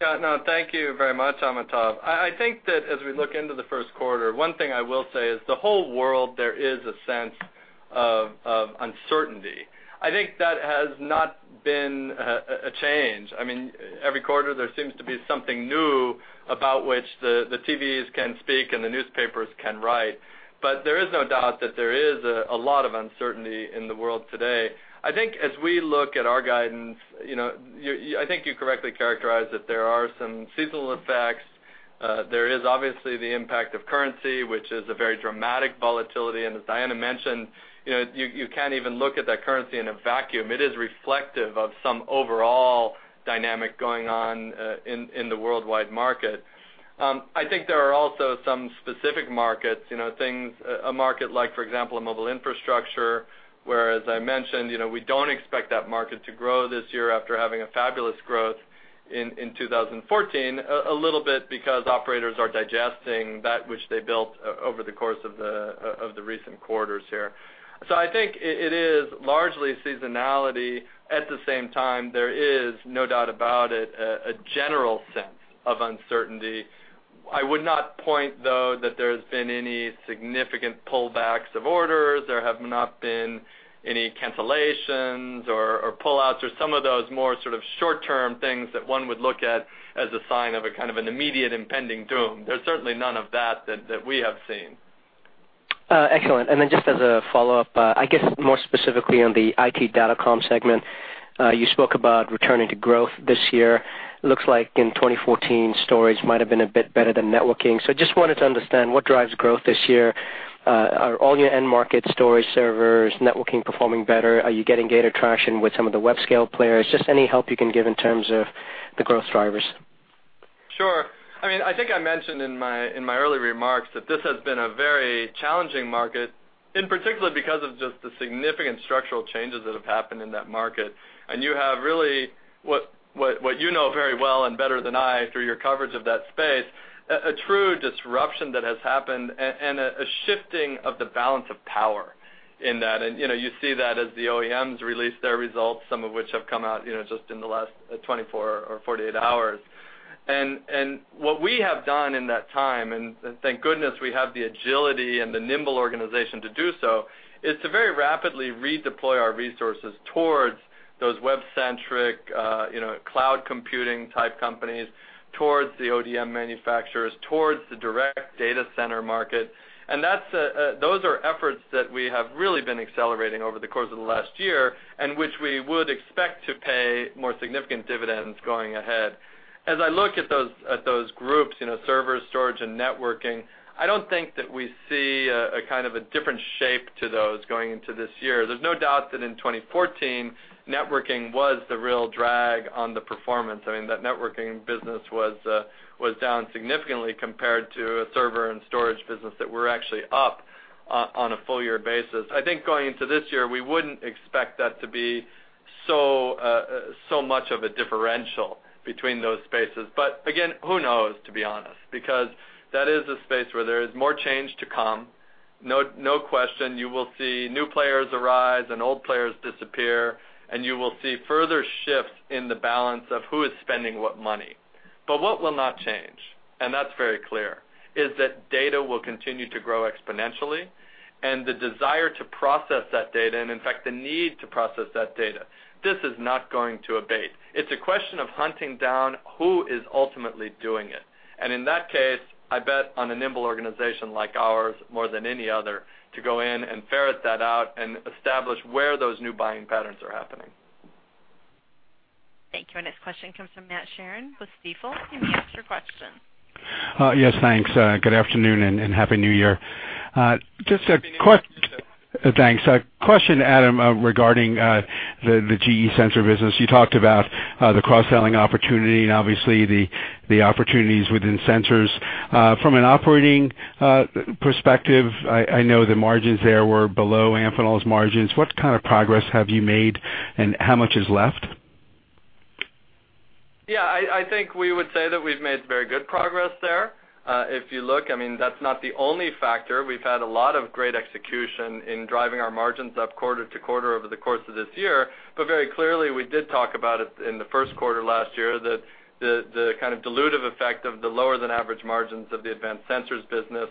Yeah, no, thank you very much, Amitabh. I think that as we look into the first quarter, one thing I will say is, the whole world, there is a sense of uncertainty. I think that has not been a change. I mean, every quarter, there seems to be something new about which the TVs can speak and the newspapers can write. But there is no doubt that there is a lot of uncertainty in the world today. I think as we look at our guidance, you know, I think you correctly characterized that there are some seasonal effects. There is obviously the impact of currency, which is a very dramatic volatility. And as Diana mentioned, you know, you can't even look at that currency in a vacuum. It is reflective of some overall dynamic going on, in the worldwide market. I think there are also some specific markets, you know, things, a market like, for example, a mobile infrastructure, where, as I mentioned, you know, we don't expect that market to grow this year after having a fabulous growth in 2014, a little bit because operators are digesting that which they built over the course of the recent quarters here. So I think it is largely seasonality. At the same time, there is no doubt about it, a general sense of uncertainty. I would not point, though, that there's been any significant pullbacks of orders, there have not been any cancellations or pullouts or some of those more sort of short-term things that one would look at as a sign of a kind of an immediate impending doom. There's certainly none of that we have seen. Excellent. And then just as a follow-up, I guess more specifically on the IT datacom segment, you spoke about returning to growth this year. Looks like in 2014, storage might have been a bit better than networking. So just wanted to understand what drives growth this year. Are all your end markets, storage servers, networking, performing better? Are you getting data traction with some of the web scale players? Just any help you can give in terms of the growth drivers. Sure. I mean, I think I mentioned in my early remarks that this has been a very challenging market, in particular, because of just the significant structural changes that have happened in that market. And you have really what you know very well and better than I, through your coverage of that space, a true disruption that has happened and a shifting of the balance of power in that. And, you know, you see that as the OEMs release their results, some of which have come out, you know, just in the last 24 or 48 hours. What we have done in that time, and thank goodness, we have the agility and the nimble organization to do so, is to very rapidly redeploy our resources towards those web-centric, you know, cloud computing-type companies, towards the ODM manufacturers, towards the direct data center market. That's a. Those are efforts that we have really been accelerating over the course of the last year, and which we would expect to pay more significant dividends going ahead. As I look at those groups, you know, server, storage, and networking, I don't think that we see a kind of different shape to those going into this year. There's no doubt that in 2014, networking was the real drag on the performance. I mean, that networking business was down significantly compared to a server and storage business that were actually up on a full year basis. I think going into this year, we wouldn't expect that to be so much of a differential between those spaces. But again, who knows, to be honest, because that is a space where there is more change to come. No question, you will see new players arise and old players disappear, and you will see further shifts in the balance of who is spending what money. But what will not change, and that's very clear, is that data will continue to grow exponentially, and the desire to process that data, and in fact, the need to process that data; this is not going to abate. It's a question of hunting down who is ultimately doing it. And in that case, I bet on a nimble organization like ours more than any other, to go in and ferret that out and establish where those new buying patterns are happening. Thank you. Our next question comes from Matt Sheerin with Stifel. You may ask your question. Yes, thanks. Good afternoon and Happy New Year. A question, Adam, regarding the GE sensor business. You talked about the cross-selling opportunity and obviously the opportunities within sensors. From an operating perspective, I know the margins there were below Amphenol's margins. What kind of progress have you made, and how much is left? Yeah, I think we would say that we've made very good progress there. If you look, I mean, that's not the only factor. We've had a lot of great execution in driving our margins up quarter to quarter over the course of this year. But very clearly, we did talk about it in the first quarter last year, that the kind of dilutive effect of the lower-than-average margins of the Advanced Sensors business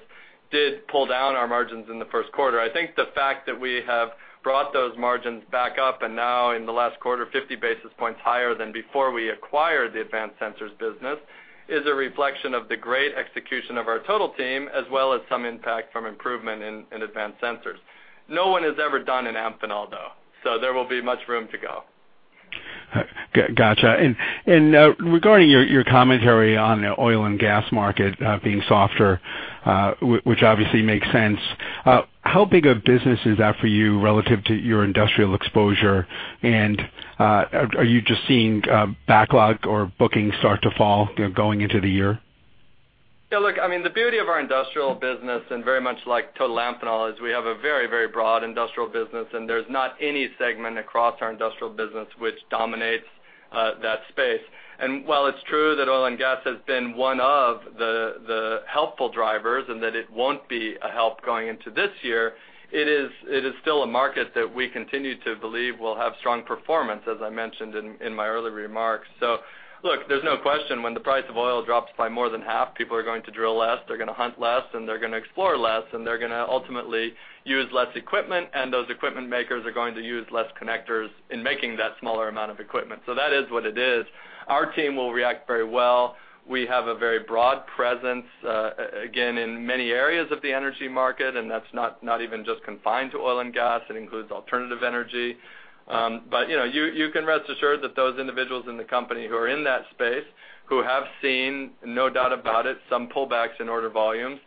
did pull down our margins in the first quarter. I think the fact that we have brought those margins back up, and now in the last quarter, 50 basis points higher than before we acquired the Advanced Sensors business, is a reflection of the great execution of our total team, as well as some impact from improvement in Advanced Sensors. No one has ever done an Amphenol, though, so there will be much room to go. Gotcha. And regarding your commentary on the oil and gas market being softer, which obviously makes sense, how big of business is that for you relative to your industrial exposure? And are you just seeing backlog or bookings start to fall, you know, going into the year? Yeah, look, I mean, the beauty of our industrial business, and very much like total Amphenol, is we have a very, very broad industrial business, and there's not any segment across our industrial business which dominates that space. And while it's true that oil and gas has been one of the helpful drivers and that it won't be a help going into this year, it is still a market that we continue to believe will have strong performance, as I mentioned in my early remarks. So look, there's no question when the price of oil drops by more than half, people are going to drill less, they're gonna hunt less, and they're gonna explore less, and they're gonna ultimately use less equipment, and those equipment makers are going to use less connectors in making that smaller amount of equipment. So that is what it is. Our team will react very well. We have a very broad presence, again, in many areas of the energy market, and that's not even just confined to oil and gas. It includes alternative energy. But you know, you can rest assured that those individuals in the company who are in that space, who have seen, no doubt about it, some pullbacks in order volumes,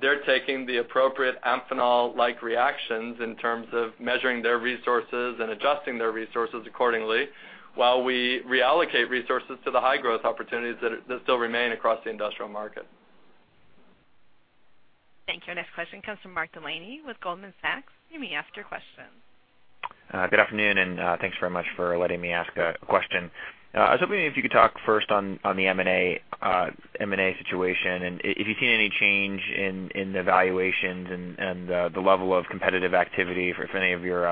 they're taking the appropriate Amphenol-like reactions in terms of measuring their resources and adjusting their resources accordingly, while we reallocate resources to the high-growth opportunities that still remain across the industrial market. Thank you. Our next question comes from Mark Delaney with Goldman Sachs. You may ask your question. Good afternoon, and thanks very much for letting me ask a question. I was hoping if you could talk first on the M&A situation, and if you've seen any change in the valuations and the level of competitive activity for if any of your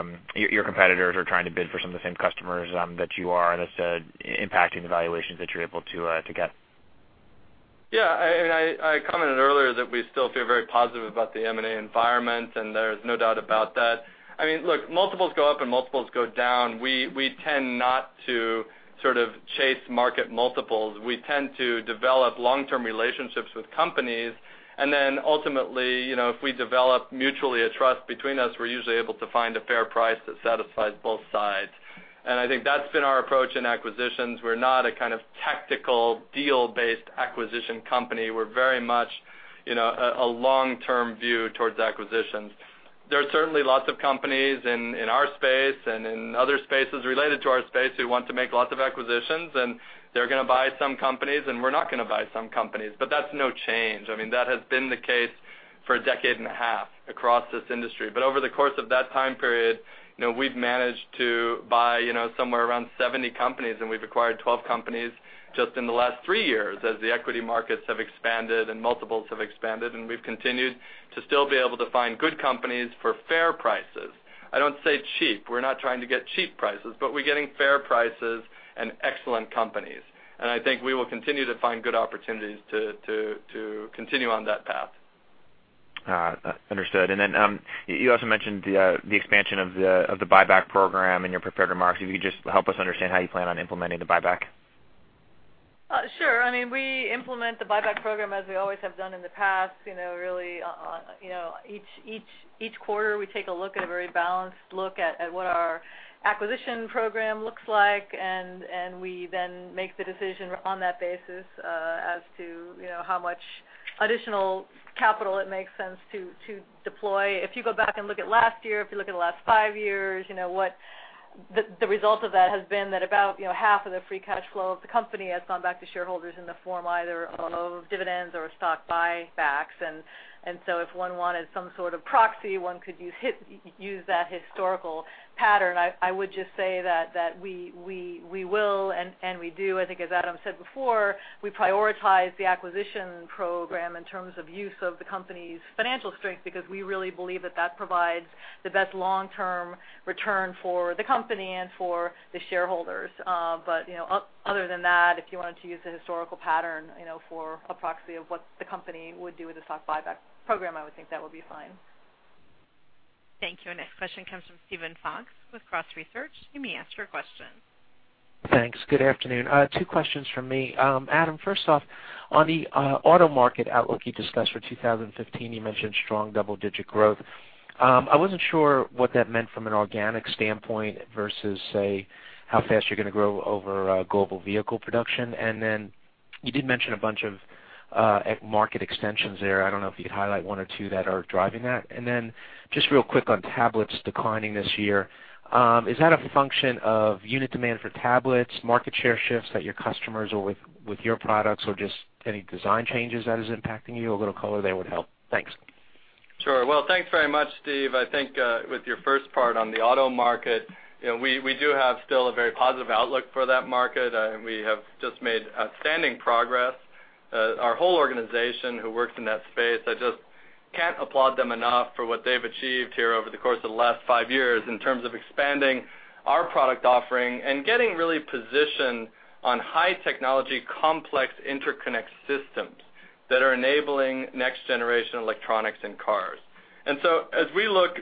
competitors are trying to bid for some of the same customers that you are, and that's impacting the valuations that you're able to get? Yeah, I commented earlier that we still feel very positive about the M&A environment, and there's no doubt about that. I mean, look, multiples go up, and multiples go down. We tend not to sort of chase market multiples. We tend to develop long-term relationships with companies, and then ultimately, you know, if we develop mutually a trust between us, we're usually able to find a fair price that satisfies both sides. And I think that's been our approach in acquisitions. We're not a kind of tactical, deal-based acquisition company. We're very much, you know, a long-term view towards acquisitions. There are certainly lots of companies in our space and in other spaces related to our space, who want to make lots of acquisitions, and they're gonna buy some companies, and we're not gonna buy some companies. But that's no change. I mean, that has been the case for a decade and a half across this industry. But over the course of that time period, you know, we've managed to buy, you know, somewhere around 70 companies, and we've acquired 12 companies just in the last three years as the equity markets have expanded and multiples have expanded, and we've continued to still be able to find good companies for fair prices. I don't say cheap. We're not trying to get cheap prices, but we're getting fair prices and excellent companies. And I think we will continue to find good opportunities to continue on that path. Understood. And then, you also mentioned the expansion of the buyback program in your prepared remarks. If you could just help us understand how you plan on implementing the buyback? Sure. I mean, we implement the buyback program as we always have done in the past. You know, really, you know, each quarter, we take a look at a very balanced look at what our acquisition program looks like, and we then make the decision on that basis, as to, you know, how much additional capital it makes sense to deploy. If you go back and look at last year, if you look at the last five years, you know, what the result of that has been that about, you know, half of the free cash flow of the company has gone back to shareholders in the form either of dividends or stock buybacks. And so if one wanted some sort of proxy, one could use that historical pattern. I would just say that we will and we do. I think as Adam said before, we prioritize the acquisition program in terms of use of the company's financial strength because we really believe that that provides the best long-term return for the company and for the shareholders. But, you know, other than that, if you wanted to use the historical pattern, you know, for a proxy of what the company would do with the stock buyback program, I would think that would be fine. Thank you. Our next question comes from Steven Fox with Cross Research. You may ask your question. Thanks. Good afternoon. Two questions from me. Adam, first off, on the auto market outlook you discussed for 2015, you mentioned strong double-digit growth. I wasn't sure what that meant from an organic standpoint versus, say, how fast you're gonna grow over global vehicle production. And then you did mention a bunch of market extensions there. I don't know if you could highlight one or two that are driving that. And then, just real quick on tablets declining this year, is that a function of unit demand for tablets, market share shifts that your customers or with your products, or just any design changes that is impacting you? A little color there would help. Thanks. Sure. Well, thanks very much, Steve. I think, with your first part on the auto market, you know, we, we do have still a very positive outlook for that market. And we have just made outstanding progress. Our whole organization who works in that space, I just can't applaud them enough for what they've achieved here over the course of the last five years in terms of expanding our product offering and getting really positioned on high-technology, complex interconnect systems that are enabling next-generation electronics in cars. And so as we look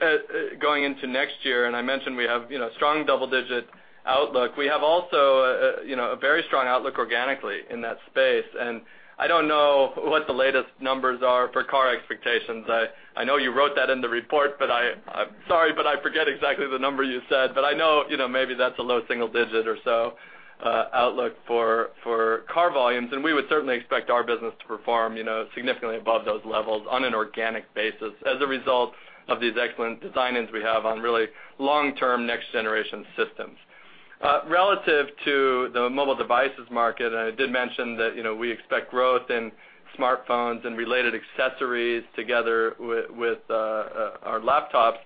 at, going into next year, and I mentioned we have, you know, strong double-digit outlook, we have also a, a, you know, a very strong outlook organically in that space. And I don't know what the latest numbers are for car expectations. I know you wrote that in the report, but I'm sorry, but I forget exactly the number you said. But I know, you know, maybe that's a low single digit or so, outlook for car volumes, and we would certainly expect our business to perform, you know, significantly above those levels on an organic basis as a result of these excellent design-ins we have on really long-term, next-generation systems. Relative to the mobile devices market, and I did mention that, you know, we expect growth in smartphones and related accessories together with our laptops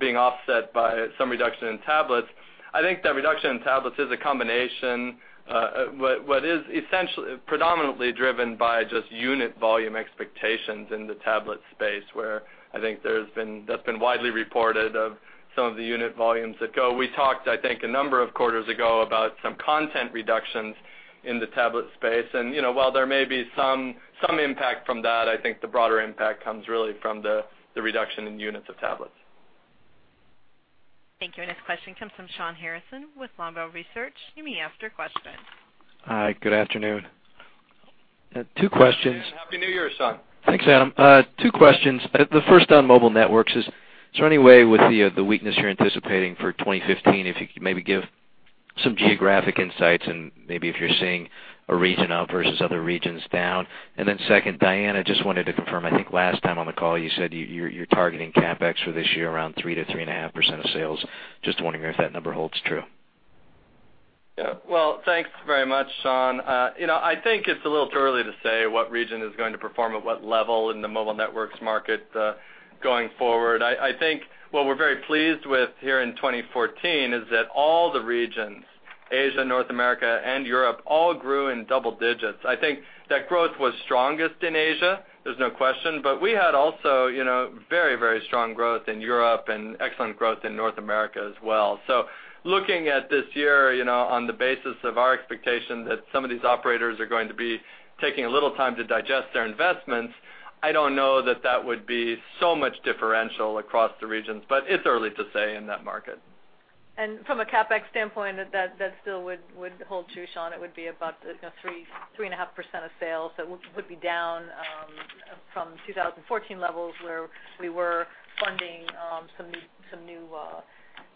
being offset by some reduction in tablets. I think that reduction in tablets is a combination of what is essentially predominantly driven by just unit volume expectations in the tablet space, where I think that's been widely reported of some of the unit volumes that go. We talked, I think, a number of quarters ago about some content reductions in the tablet space. And, you know, while there may be some impact from that, I think the broader impact comes really from the reduction in units of tablets. Thank you. Our next question comes from Shawn Harrison with Longbow Research. You may ask your question. Hi, good afternoon. Two questions- Happy New Year, Shawn. Thanks, Adam. Two questions. The first on mobile networks is, is there any way with the weakness you're anticipating for 2015, if you could maybe give some geographic insights and maybe if you're seeing a region up versus other regions down? And then second, Diana, I just wanted to confirm, I think last time on the call, you said you're targeting CapEx for this year around 3%-3.5% of sales. Just wondering if that number holds true? Yeah. Well, thanks very much, Shawn. You know, I think it's a little too early to say what region is going to perform at what level in the mobile networks market, going forward. I think what we're very pleased with here in 2014 is that all the regions, Asia, North America, and Europe, all grew in double digits. I think that growth was strongest in Asia, there's no question, but we had also, you know, very, very strong growth in Europe and excellent growth in North America as well. So looking at this year, you know, on the basis of our expectation that some of these operators are going to be taking a little time to digest their investments, I don't know that that would be so much differential across the regions, but it's early to say in that market. From a CapEx standpoint, that still would hold true, Shawn. It would be about, you know, 3.5% of sales. That would be down from 2014 levels, where we were funding some new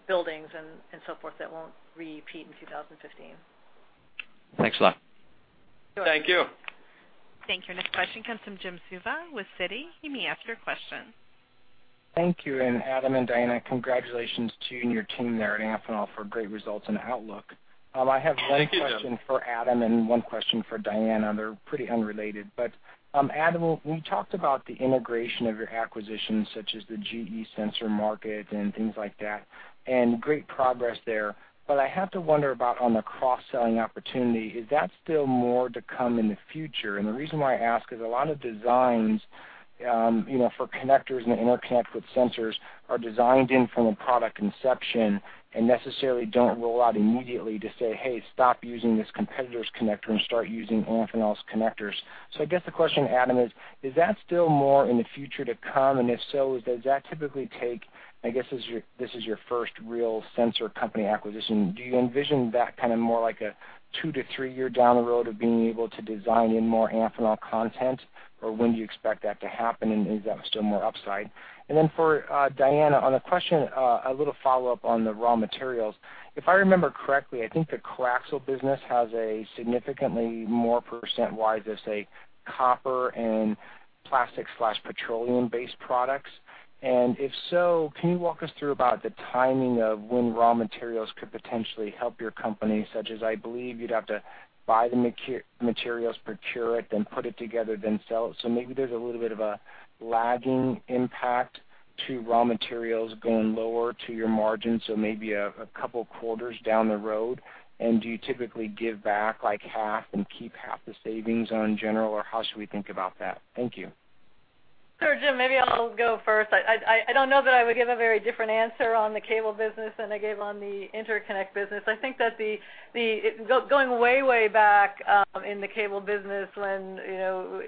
buildings and so forth. That won't repeat in 2015. Thanks a lot. Thank you. Thank you. Our next question comes from Jim Suva with Citi. You may ask your question. Thank you, and Adam and Diana, congratulations to you and your team there at Amphenol for great results and outlook. Thank you, Jim. I have one question for Adam and one question for Diana. They're pretty unrelated, but, Adam, we talked about the integration of your acquisitions, such as the GE sensor market and things like that, and great progress there. But I have to wonder about on the cross-selling opportunity, is that still more to come in the future? And the reason why I ask is a lot of designs, you know, for connectors and interconnect with sensors are designed in from a product conception and necessarily don't roll out immediately to say, "Hey, stop using this competitor's connector and start using Amphenol's connectors." So I guess the question, Adam, is: Is that still more in the future to come? And if so, does that typically take - I guess, this is your first real sensor company acquisition. Do you envision that kind of more like a two- to three-year down the road of being able to design in more Amphenol content, or when do you expect that to happen, and is that still more upside? And then for Diana, on the question, a little follow-up on the raw materials. If I remember correctly, I think the Carlisle business has a significantly more percent-wise, as say, copper and plastic/petroleum-based products. And if so, can you walk us through about the timing of when raw materials could potentially help your company, such as I believe you'd have to buy the materials, procure it, then put it together, then sell it. So maybe there's a little bit of a lagging impact to raw materials going lower to your margins, so maybe a couple quarters down the road. Do you typically give back, like, half and keep half the savings in general, or how should we think about that? Thank you. Sure, Jim, maybe I'll go first. I don't know that I would give a very different answer on the cable business than I gave on the interconnect business. I think that the going way back in the cable business when, you know,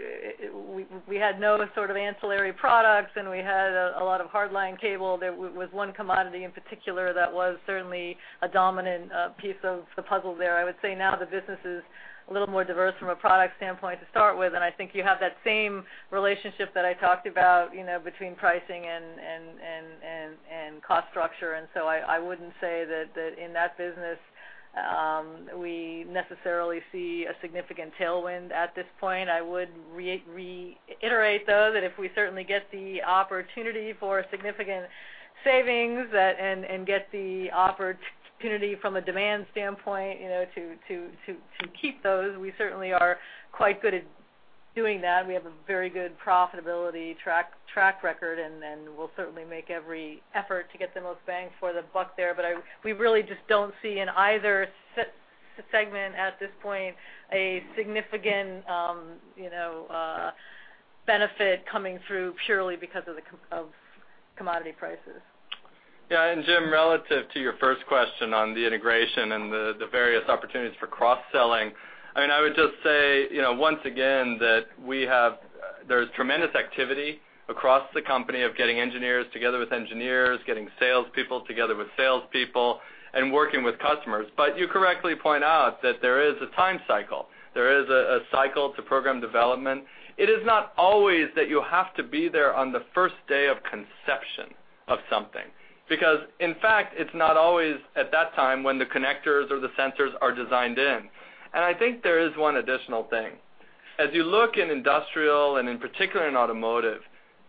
we had no sort of ancillary products, and we had a lot of hard line cable, there was one commodity in particular that was certainly a dominant piece of the puzzle there. I would say now the business is a little more diverse from a product standpoint to start with, and I think you have that same relationship that I talked about, you know, between pricing and cost structure. And so I wouldn't say that in that business we necessarily see a significant tailwind at this point. I would reiterate, though, that if we certainly get the opportunity for significant savings that and get the opportunity from a demand standpoint, you know, to keep those, we certainly are quite good at doing that. We have a very good profitability track record, and we'll certainly make every effort to get the most bang for the buck there. But we really just don't see in either segment at this point, a significant, you know, benefit coming through purely because of commodity prices. Yeah, and Jim, relative to your first question on the integration and the various opportunities for cross-selling, I mean, I would just say, you know, once again, that we have, there's tremendous activity across the company of getting engineers together with engineers, getting salespeople together with salespeople, and working with customers. But you correctly point out that there is a time cycle. There is a cycle to program development. It is not always that you have to be there on the first day of conception of something, because, in fact, it's not always at that time when the connectors or the sensors are designed in. And I think there is one additional thing. As you look in industrial and in particular in automotive,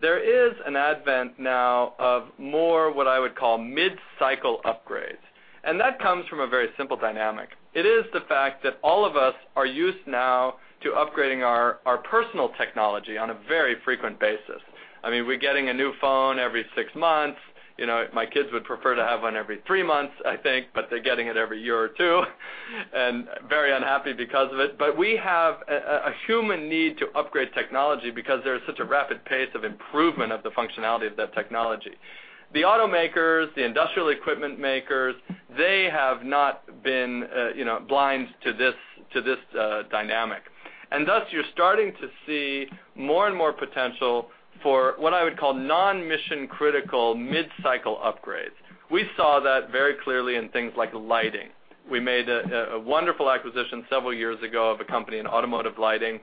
there is an advent now of more, what I would call, mid-cycle upgrades, and that comes from a very simple dynamic. It is the fact that all of us are used now to upgrading our personal technology on a very frequent basis. I mean, we're getting a new phone every six months. You know, my kids would prefer to have one every three months, I think, but they're getting it every year or two, and very unhappy because of it. But we have a human need to upgrade technology because there's such a rapid pace of improvement of the functionality of that technology. The automakers, the industrial equipment makers, they have not been, you know, blind to this dynamic. Thus, you're starting to see more and more potential for what I would call non-mission-critical mid-cycle upgrades. We saw that very clearly in things like lighting. We made a wonderful acquisition several years ago of a company in automotive lighting,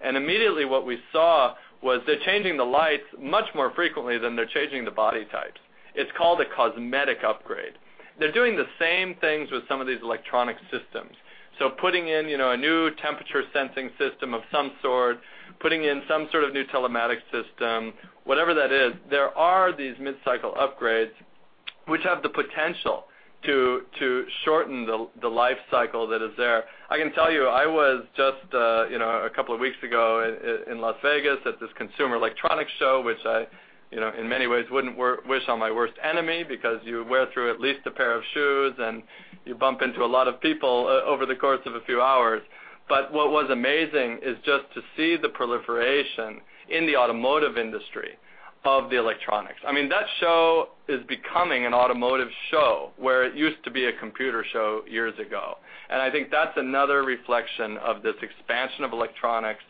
and immediately what we saw was they're changing the lights much more frequently than they're changing the body types. It's called a cosmetic upgrade. They're doing the same things with some of these electronic systems. So putting in, you know, a new temperature sensing system of some sort, putting in some sort of new telematic system, whatever that is, there are these mid-cycle upgrades which have the potential to shorten the life cycle that is there. I can tell you, I was just, you know, a couple of weeks ago in Las Vegas at this Consumer Electronics Show, which I, you know, in many ways wouldn't wish on my worst enemy because you wear through at least a pair of shoes, and you bump into a lot of people over the course of a few hours. But what was amazing is just to see the proliferation in the automotive industry of the electronics. I mean, that show is becoming an automotive show where it used to be a computer show years ago. And I think that's another reflection of this expansion of electronics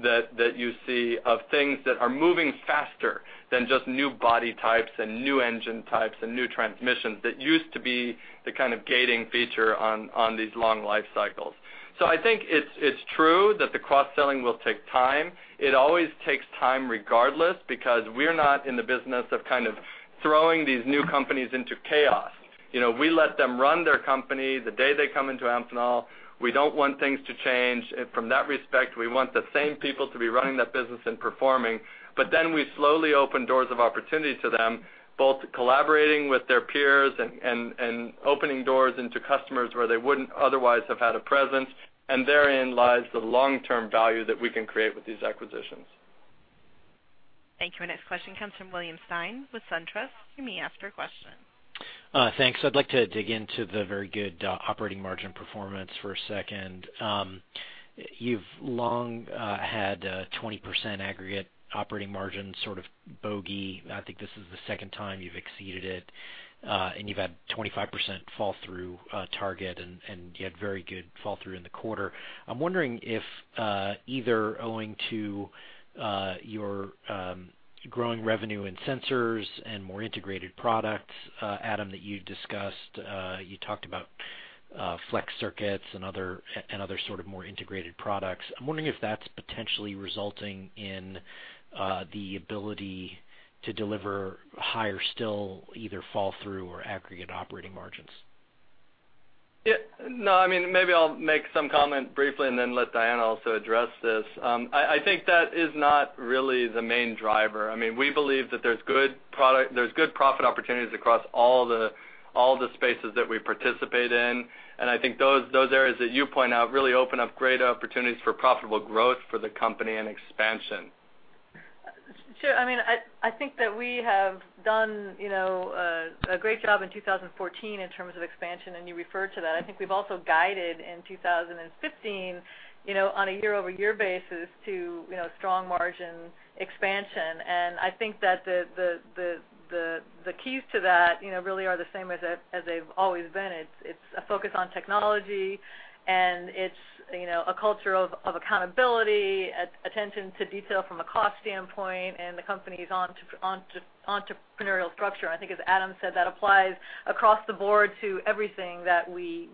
that you see of things that are moving faster than just new body types and new engine types and new transmissions that used to be the kind of gating feature on these long life cycles. So I think it's true that the cross-selling will take time. It always takes time regardless, because we're not in the business of kind of throwing these new companies into chaos. You know, we let them run their company the day they come into Amphenol; we don't want things to change. And from that respect, we want the same people to be running that business and performing. But then we slowly open doors of opportunity to them, both collaborating with their peers and opening doors into customers where they wouldn't otherwise have had a presence, and therein lies the long-term value that we can create with these acquisitions. Thank you. Our next question comes from William Stein with SunTrust. You may ask your question. Thanks. I'd like to dig into the very good operating margin performance for a second. You've long had a 20% aggregate operating margin sort of bogey. I think this is the second time you've exceeded it, and you've had 25% fall through target, and you had very good fall through in the quarter. I'm wondering if either owing to your growing revenue in sensors and more integrated products, Adam, that you discussed, you talked about flex circuits and other sort of more integrated products. I'm wondering if that's potentially resulting in the ability to deliver higher still, either fall through or aggregate operating margins. Yeah. No, I mean, maybe I'll make some comment briefly and then let Diana also address this. I think that is not really the main driver. I mean, we believe that there's good product—there's good profit opportunities across all the, all the spaces that we participate in. And I think those, those areas that you point out really open up great opportunities for profitable growth for the company and expansion. Sure. I mean, I think that we have done, you know, a great job in 2014 in terms of expansion, and you referred to that. I think we've also guided in 2015, you know, on a year-over-year basis to, you know, strong margin expansion. And I think that the keys to that, you know, really are the same as they've always been. It's a focus on technology, and it's, you know, a culture of accountability, attention to detail from a cost standpoint, and the company's entrepreneurial structure. I think, as Adam said, that applies across the board to everything that we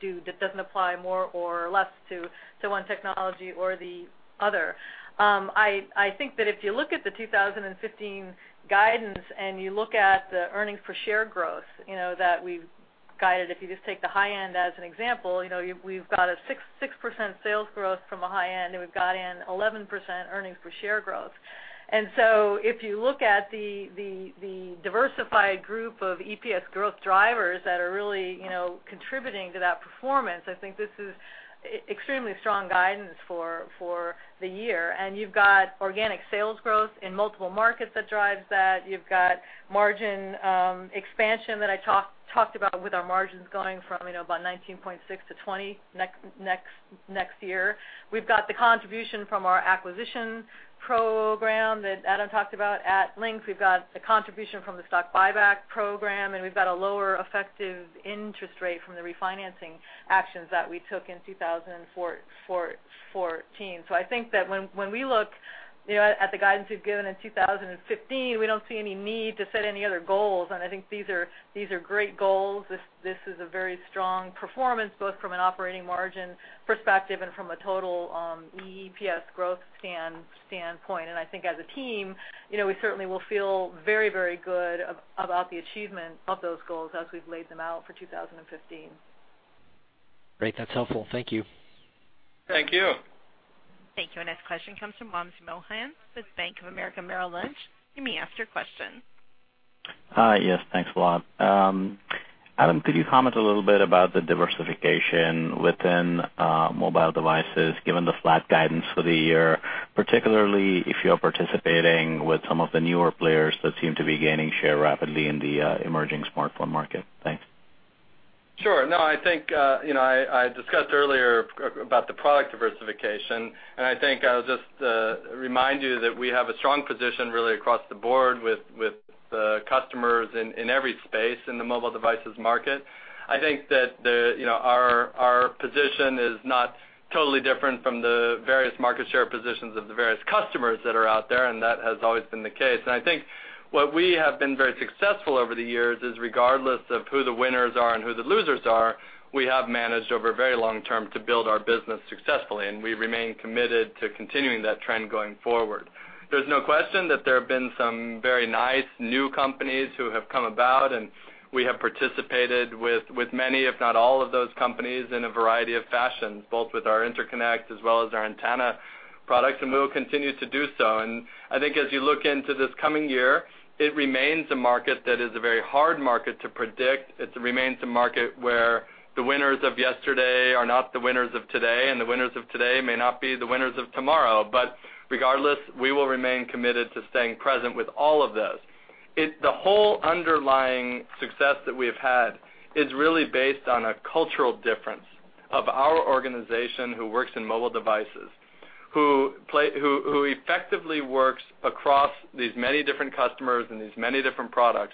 do, that doesn't apply more or less to one technology or the other. I think that if you look at the 2015 guidance, and you look at the earnings per share growth, you know, that we've guided, if you just take the high end as an example, you know, we've got a 6% sales growth from a high end, and we've got an 11% earnings per share growth. And so if you look at the diversified group of EPS growth drivers that are really, you know, contributing to that performance, I think this is extremely strong guidance for the year. And you've got organic sales growth in multiple markets that drives that. You've got margin expansion that I talked about with our margins going from, you know, about 19.6% to 20% next year. We've got the contribution from our acquisition program that Adam talked about at length. We've got a contribution from the stock buyback program, and we've got a lower effective interest rate from the refinancing actions that we took in 2014. So I think that when we look, you know, at the guidance we've given in 2015, we don't see any need to set any other goals, and I think these are, these are great goals. This is a very strong performance, both from an operating margin perspective and from a total EPS growth standpoint. And I think as a team, you know, we certainly will feel very, very good about the achievement of those goals as we've laid them out for 2015. Great. That's helpful. Thank you. Thank you. Thank you. Our next question comes from Wamsi Mohan with Bank of America Merrill Lynch. You may ask your question. Hi, yes, thanks a lot. Adam, could you comment a little bit about the diversification within mobile devices, given the flat guidance for the year, particularly if you are participating with some of the newer players that seem to be gaining share rapidly in the emerging smartphone market? Thanks. Sure. No, I think, you know, I, I discussed earlier about the product diversification, and I think I'll just remind you that we have a strong position really across the board with, with customers in, in every space in the mobile devices market. I think that the, you know, our, our position is not totally different from the various market share positions of the various customers that are out there, and that has always been the case. And I think what we have been very successful over the years is, regardless of who the winners are and who the losers are, we have managed over a very long term to build our business successfully, and we remain committed to continuing that trend going forward. There's no question that there have been some very nice new companies who have come about, and we have participated with many, if not all, of those companies in a variety of fashions, both with our interconnect as well as our antenna products, and we will continue to do so. And I think as you look into this coming year, it remains a market that is a very hard market to predict. It remains a market where the winners of yesterday are not the winners of today, and the winners of today may not be the winners of tomorrow. But regardless, we will remain committed to staying present with all of this. The whole underlying success that we have had is really based on a cultural difference of our organization who works in mobile devices who effectively works across these many different customers and these many different products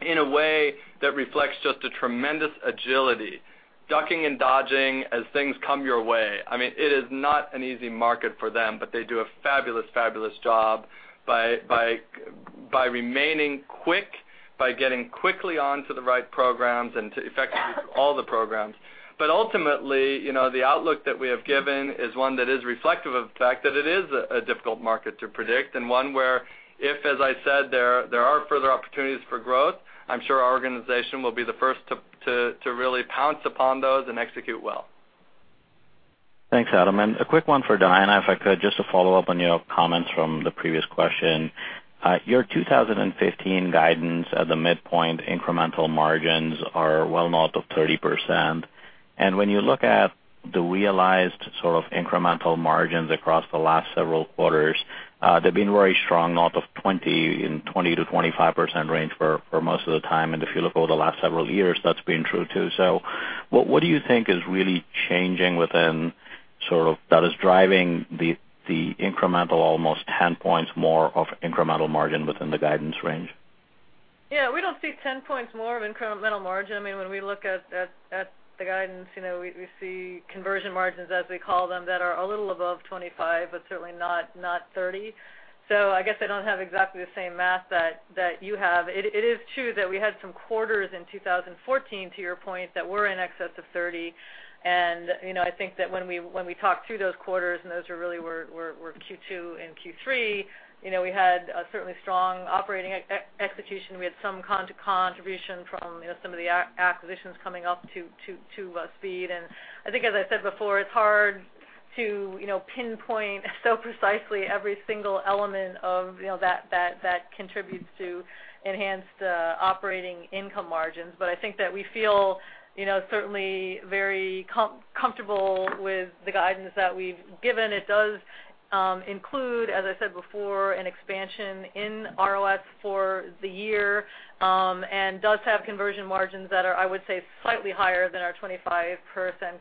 in a way that reflects just a tremendous agility, ducking and dodging as things come your way. I mean, it is not an easy market for them, but they do a fabulous, fabulous job by remaining quick, by getting quickly onto the right programs and to effectively all the programs. Ultimately, you know, the outlook that we have given is one that is reflective of the fact that it is a difficult market to predict, and one where if, as I said, there are further opportunities for growth, I'm sure our organization will be the first to really pounce upon those and execute well. Thanks, Adam. A quick one for Diana, if I could, just to follow up on your comments from the previous question. Your 2015 guidance at the midpoint, incremental margins are well north of 30%. And when you look at the realized sort of incremental margins across the last several quarters, they've been very strong, north of 20%, in 20%-25% range for most of the time. And if you look over the last several years, that's been true, too. So what do you think is really changing within, sort of, that is driving the incremental, almost 10 points more of incremental margin within the guidance range? Yeah, we don't see 10 points more of incremental margin. I mean, when we look at the guidance, you know, we see conversion margins, as we call them, that are a little above 25%, but certainly not 30%. So I guess I don't have exactly the same math that you have. It is true that we had some quarters in 2014, to your point, that were in excess of 30%. And, you know, I think that when we talked through those quarters, and those were really were Q2 and Q3, you know, we had a certainly strong operating execution. We had some contribution from, you know, some of the acquisitions coming up to speed. I think, as I said before, it's hard to, you know, pinpoint so precisely every single element of, you know, that contributes to enhanced operating income margins. But I think that we feel, you know, certainly very comfortable with the guidance that we've given. It does include, as I said before, an expansion in ROS for the year, and does have conversion margins that are, I would say, slightly higher than our 25%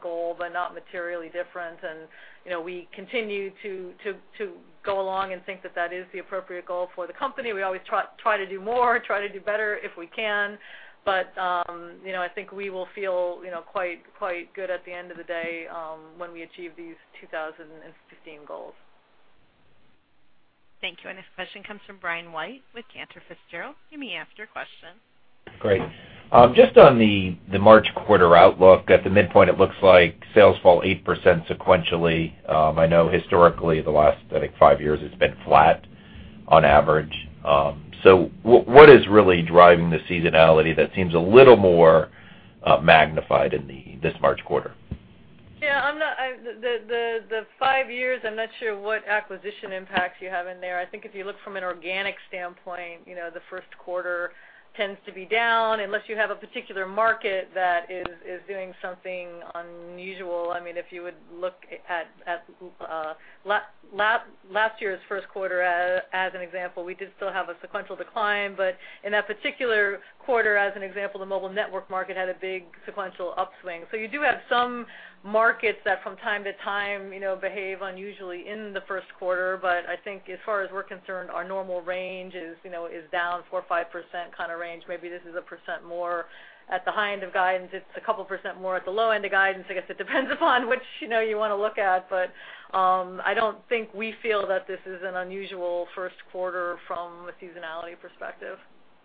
goal, but not materially different. You know, we continue to go along and think that that is the appropriate goal for the company. We always try to do more, to do better if we can. But, you know, I think we will feel, you know, quite, quite good at the end of the day, when we achieve these 2015 goals. Thank you. Our next question comes from Brian White with Cantor Fitzgerald. You may ask your question. Great. Just on the March quarter outlook, at the midpoint, it looks like sales fell 8% sequentially. I know historically, the last, I think, five years, it's been flat on average. So what is really driving the seasonality that seems a little more magnified in this March quarter? Yeah, I'm not. The five years, I'm not sure what acquisition impacts you have in there. I think if you look from an organic standpoint, you know, the first quarter tends to be down unless you have a particular market that is doing something unusual. I mean, if you would look at last year's first quarter as an example, we did still have a sequential decline, but in that particular quarter, as an example, the mobile network market had a big sequential upswing. So you do have some markets that from time to time, you know, behave unusually in the first quarter. But I think as far as we're concerned, our normal range is, you know, down 4%-5% kind of range. Maybe this is 1% more. At the high end of guidance, it's 2% more. At the low end of guidance, I guess it depends upon which, you know, you wanna look at. But, I don't think we feel that this is an unusual first quarter from a seasonality perspective.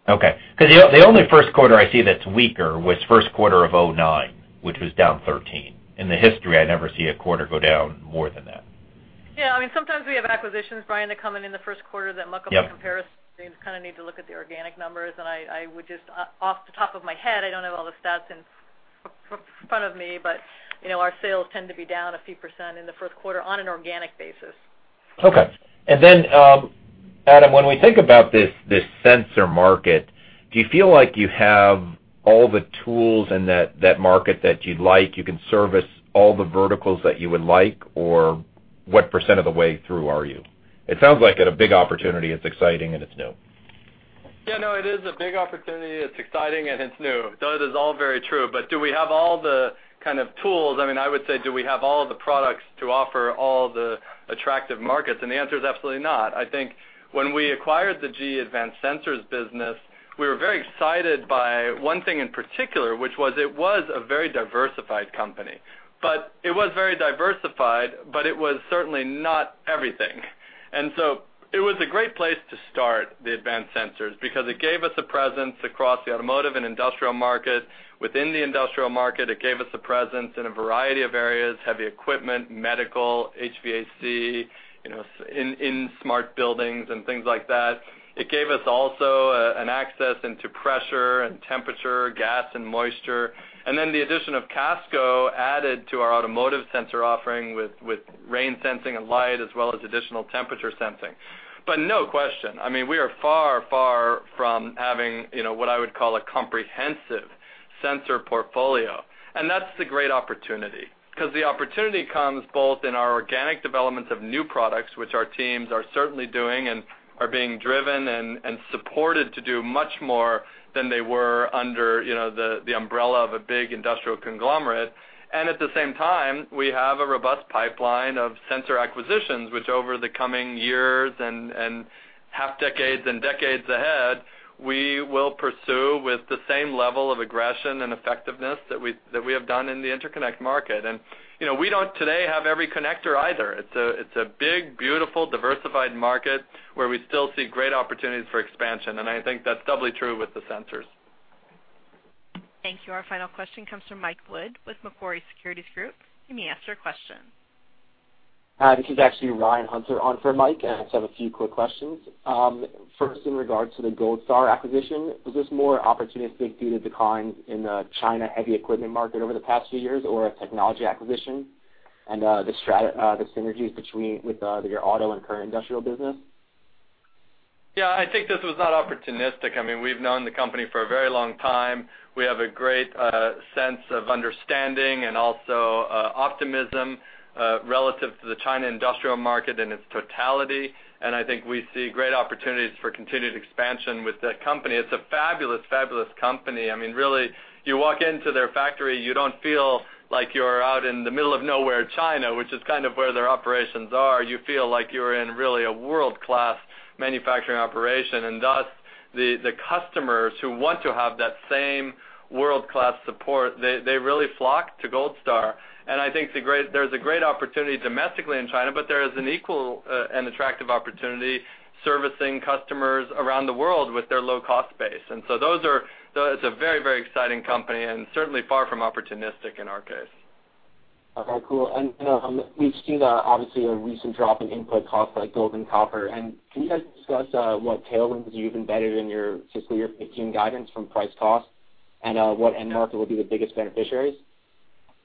Okay. Because the only first quarter I see that's weaker was first quarter of 2009, which was down 13%. In the history, I never see a quarter go down more than that. Yeah, I mean, sometimes we have acquisitions, Brian, that come in in the first quarter. Yep up comparison. You kind of need to look at the organic numbers, and I would just, off the top of my head, I don't have all the stats in front of me, but, you know, our sales tend to be down a few% in the first quarter on an organic basis. Okay. And then, Adam, when we think about this, this sensor market, do you feel like you have all the tools in that market that you'd like, you can service all the verticals that you would like, or what percent of the way through are you? It sounds like at a big opportunity, it's exciting, and it's new. Yeah, no, it is a big opportunity, it's exciting, and it's new. That is all very true, but do we have all the kind of tools? I mean, I would say, do we have all of the products to offer all the attractive markets? And the answer is absolutely not. I think when we acquired the GE Advanced Sensors business, we were very excited by one thing in particular, which was it was a very diversified company. But it was very diversified, but it was certainly not everything. And so it was a great place to start the Advanced Sensors, because it gave us a presence across the automotive and industrial market. Within the industrial market, it gave us a presence in a variety of areas, heavy equipment, medical, HVAC, you know, in, in smart buildings and things like that. It gave us also an access into pressure and temperature, gas and moisture. Then the addition of Casco added to our automotive sensor offering with rain sensing and light, as well as additional temperature sensing. But no question, I mean, we are far, far from having, you know, what I would call a comprehensive... sensor portfolio. That's the great opportunity, 'cause the opportunity comes both in our organic development of new products, which our teams are certainly doing, and are being driven and supported to do much more than they were under, you know, the umbrella of a big industrial conglomerate. And at the same time, we have a robust pipeline of sensor acquisitions, which over the coming years and half decades and decades ahead, we will pursue with the same level of aggression and effectiveness that we have done in the interconnect market. And, you know, we don't today have every connector either. It's a big, beautiful, diversified market where we still see great opportunities for expansion, and I think that's doubly true with the sensors. Thank you. Our final question comes from Mike Wood with Macquarie Securities Group. You may ask your question. Hi, this is actually Ryan Hunter on for Mike, and I just have a few quick questions. First, in regards to the Gold Star acquisition, was this more opportunistic due to declines in the China heavy equipment market over the past few years, or a technology acquisition, and, the synergies between with, your auto and current industrial business? Yeah, I think this was not opportunistic. I mean, we've known the company for a very long time. We have a great sense of understanding and also optimism relative to the China industrial market in its totality. And I think we see great opportunities for continued expansion with that company. It's a fabulous, fabulous company. I mean, really, you walk into their factory, you don't feel like you're out in the middle of nowhere, China, which is kind of where their operations are. You feel like you're in really a world-class manufacturing operation, and thus, the customers who want to have that same world-class support, they really flock to Gold Star. And I think there's a great opportunity domestically in China, but there is an equal and attractive opportunity servicing customers around the world with their low-cost base. And so those are. It's a very, very exciting company and certainly far from opportunistic in our case. Okay, cool. And, you know, we've seen the, obviously, a recent drop in input costs like gold and copper. And can you guys discuss what tailwinds you've embedded in your fiscal year 2015 guidance from price cost, and what end market will be the biggest beneficiaries?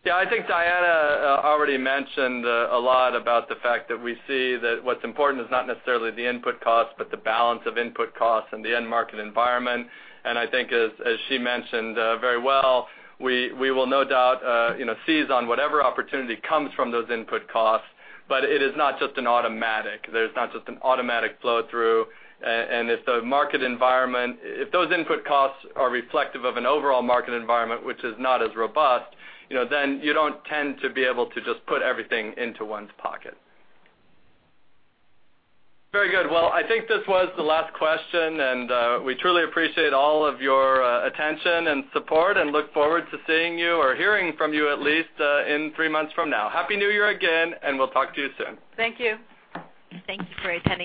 Yeah, I think Diana already mentioned a lot about the fact that we see that what's important is not necessarily the input costs, but the balance of input costs and the end market environment. And I think as, as she mentioned very well, we, we will no doubt you know seize on whatever opportunity comes from those input costs. But it is not just an automatic. There's not just an automatic flow-through. And if the market environment, if those input costs are reflective of an overall market environment, which is not as robust, you know, then you don't tend to be able to just put everything into one's pocket. Very good. Well, I think this was the last question, and we truly appreciate all of your attention and support and look forward to seeing you or hearing from you at least in three months from now. Happy New Year again, and we'll talk to you soon. Thank you. Thank you for attending.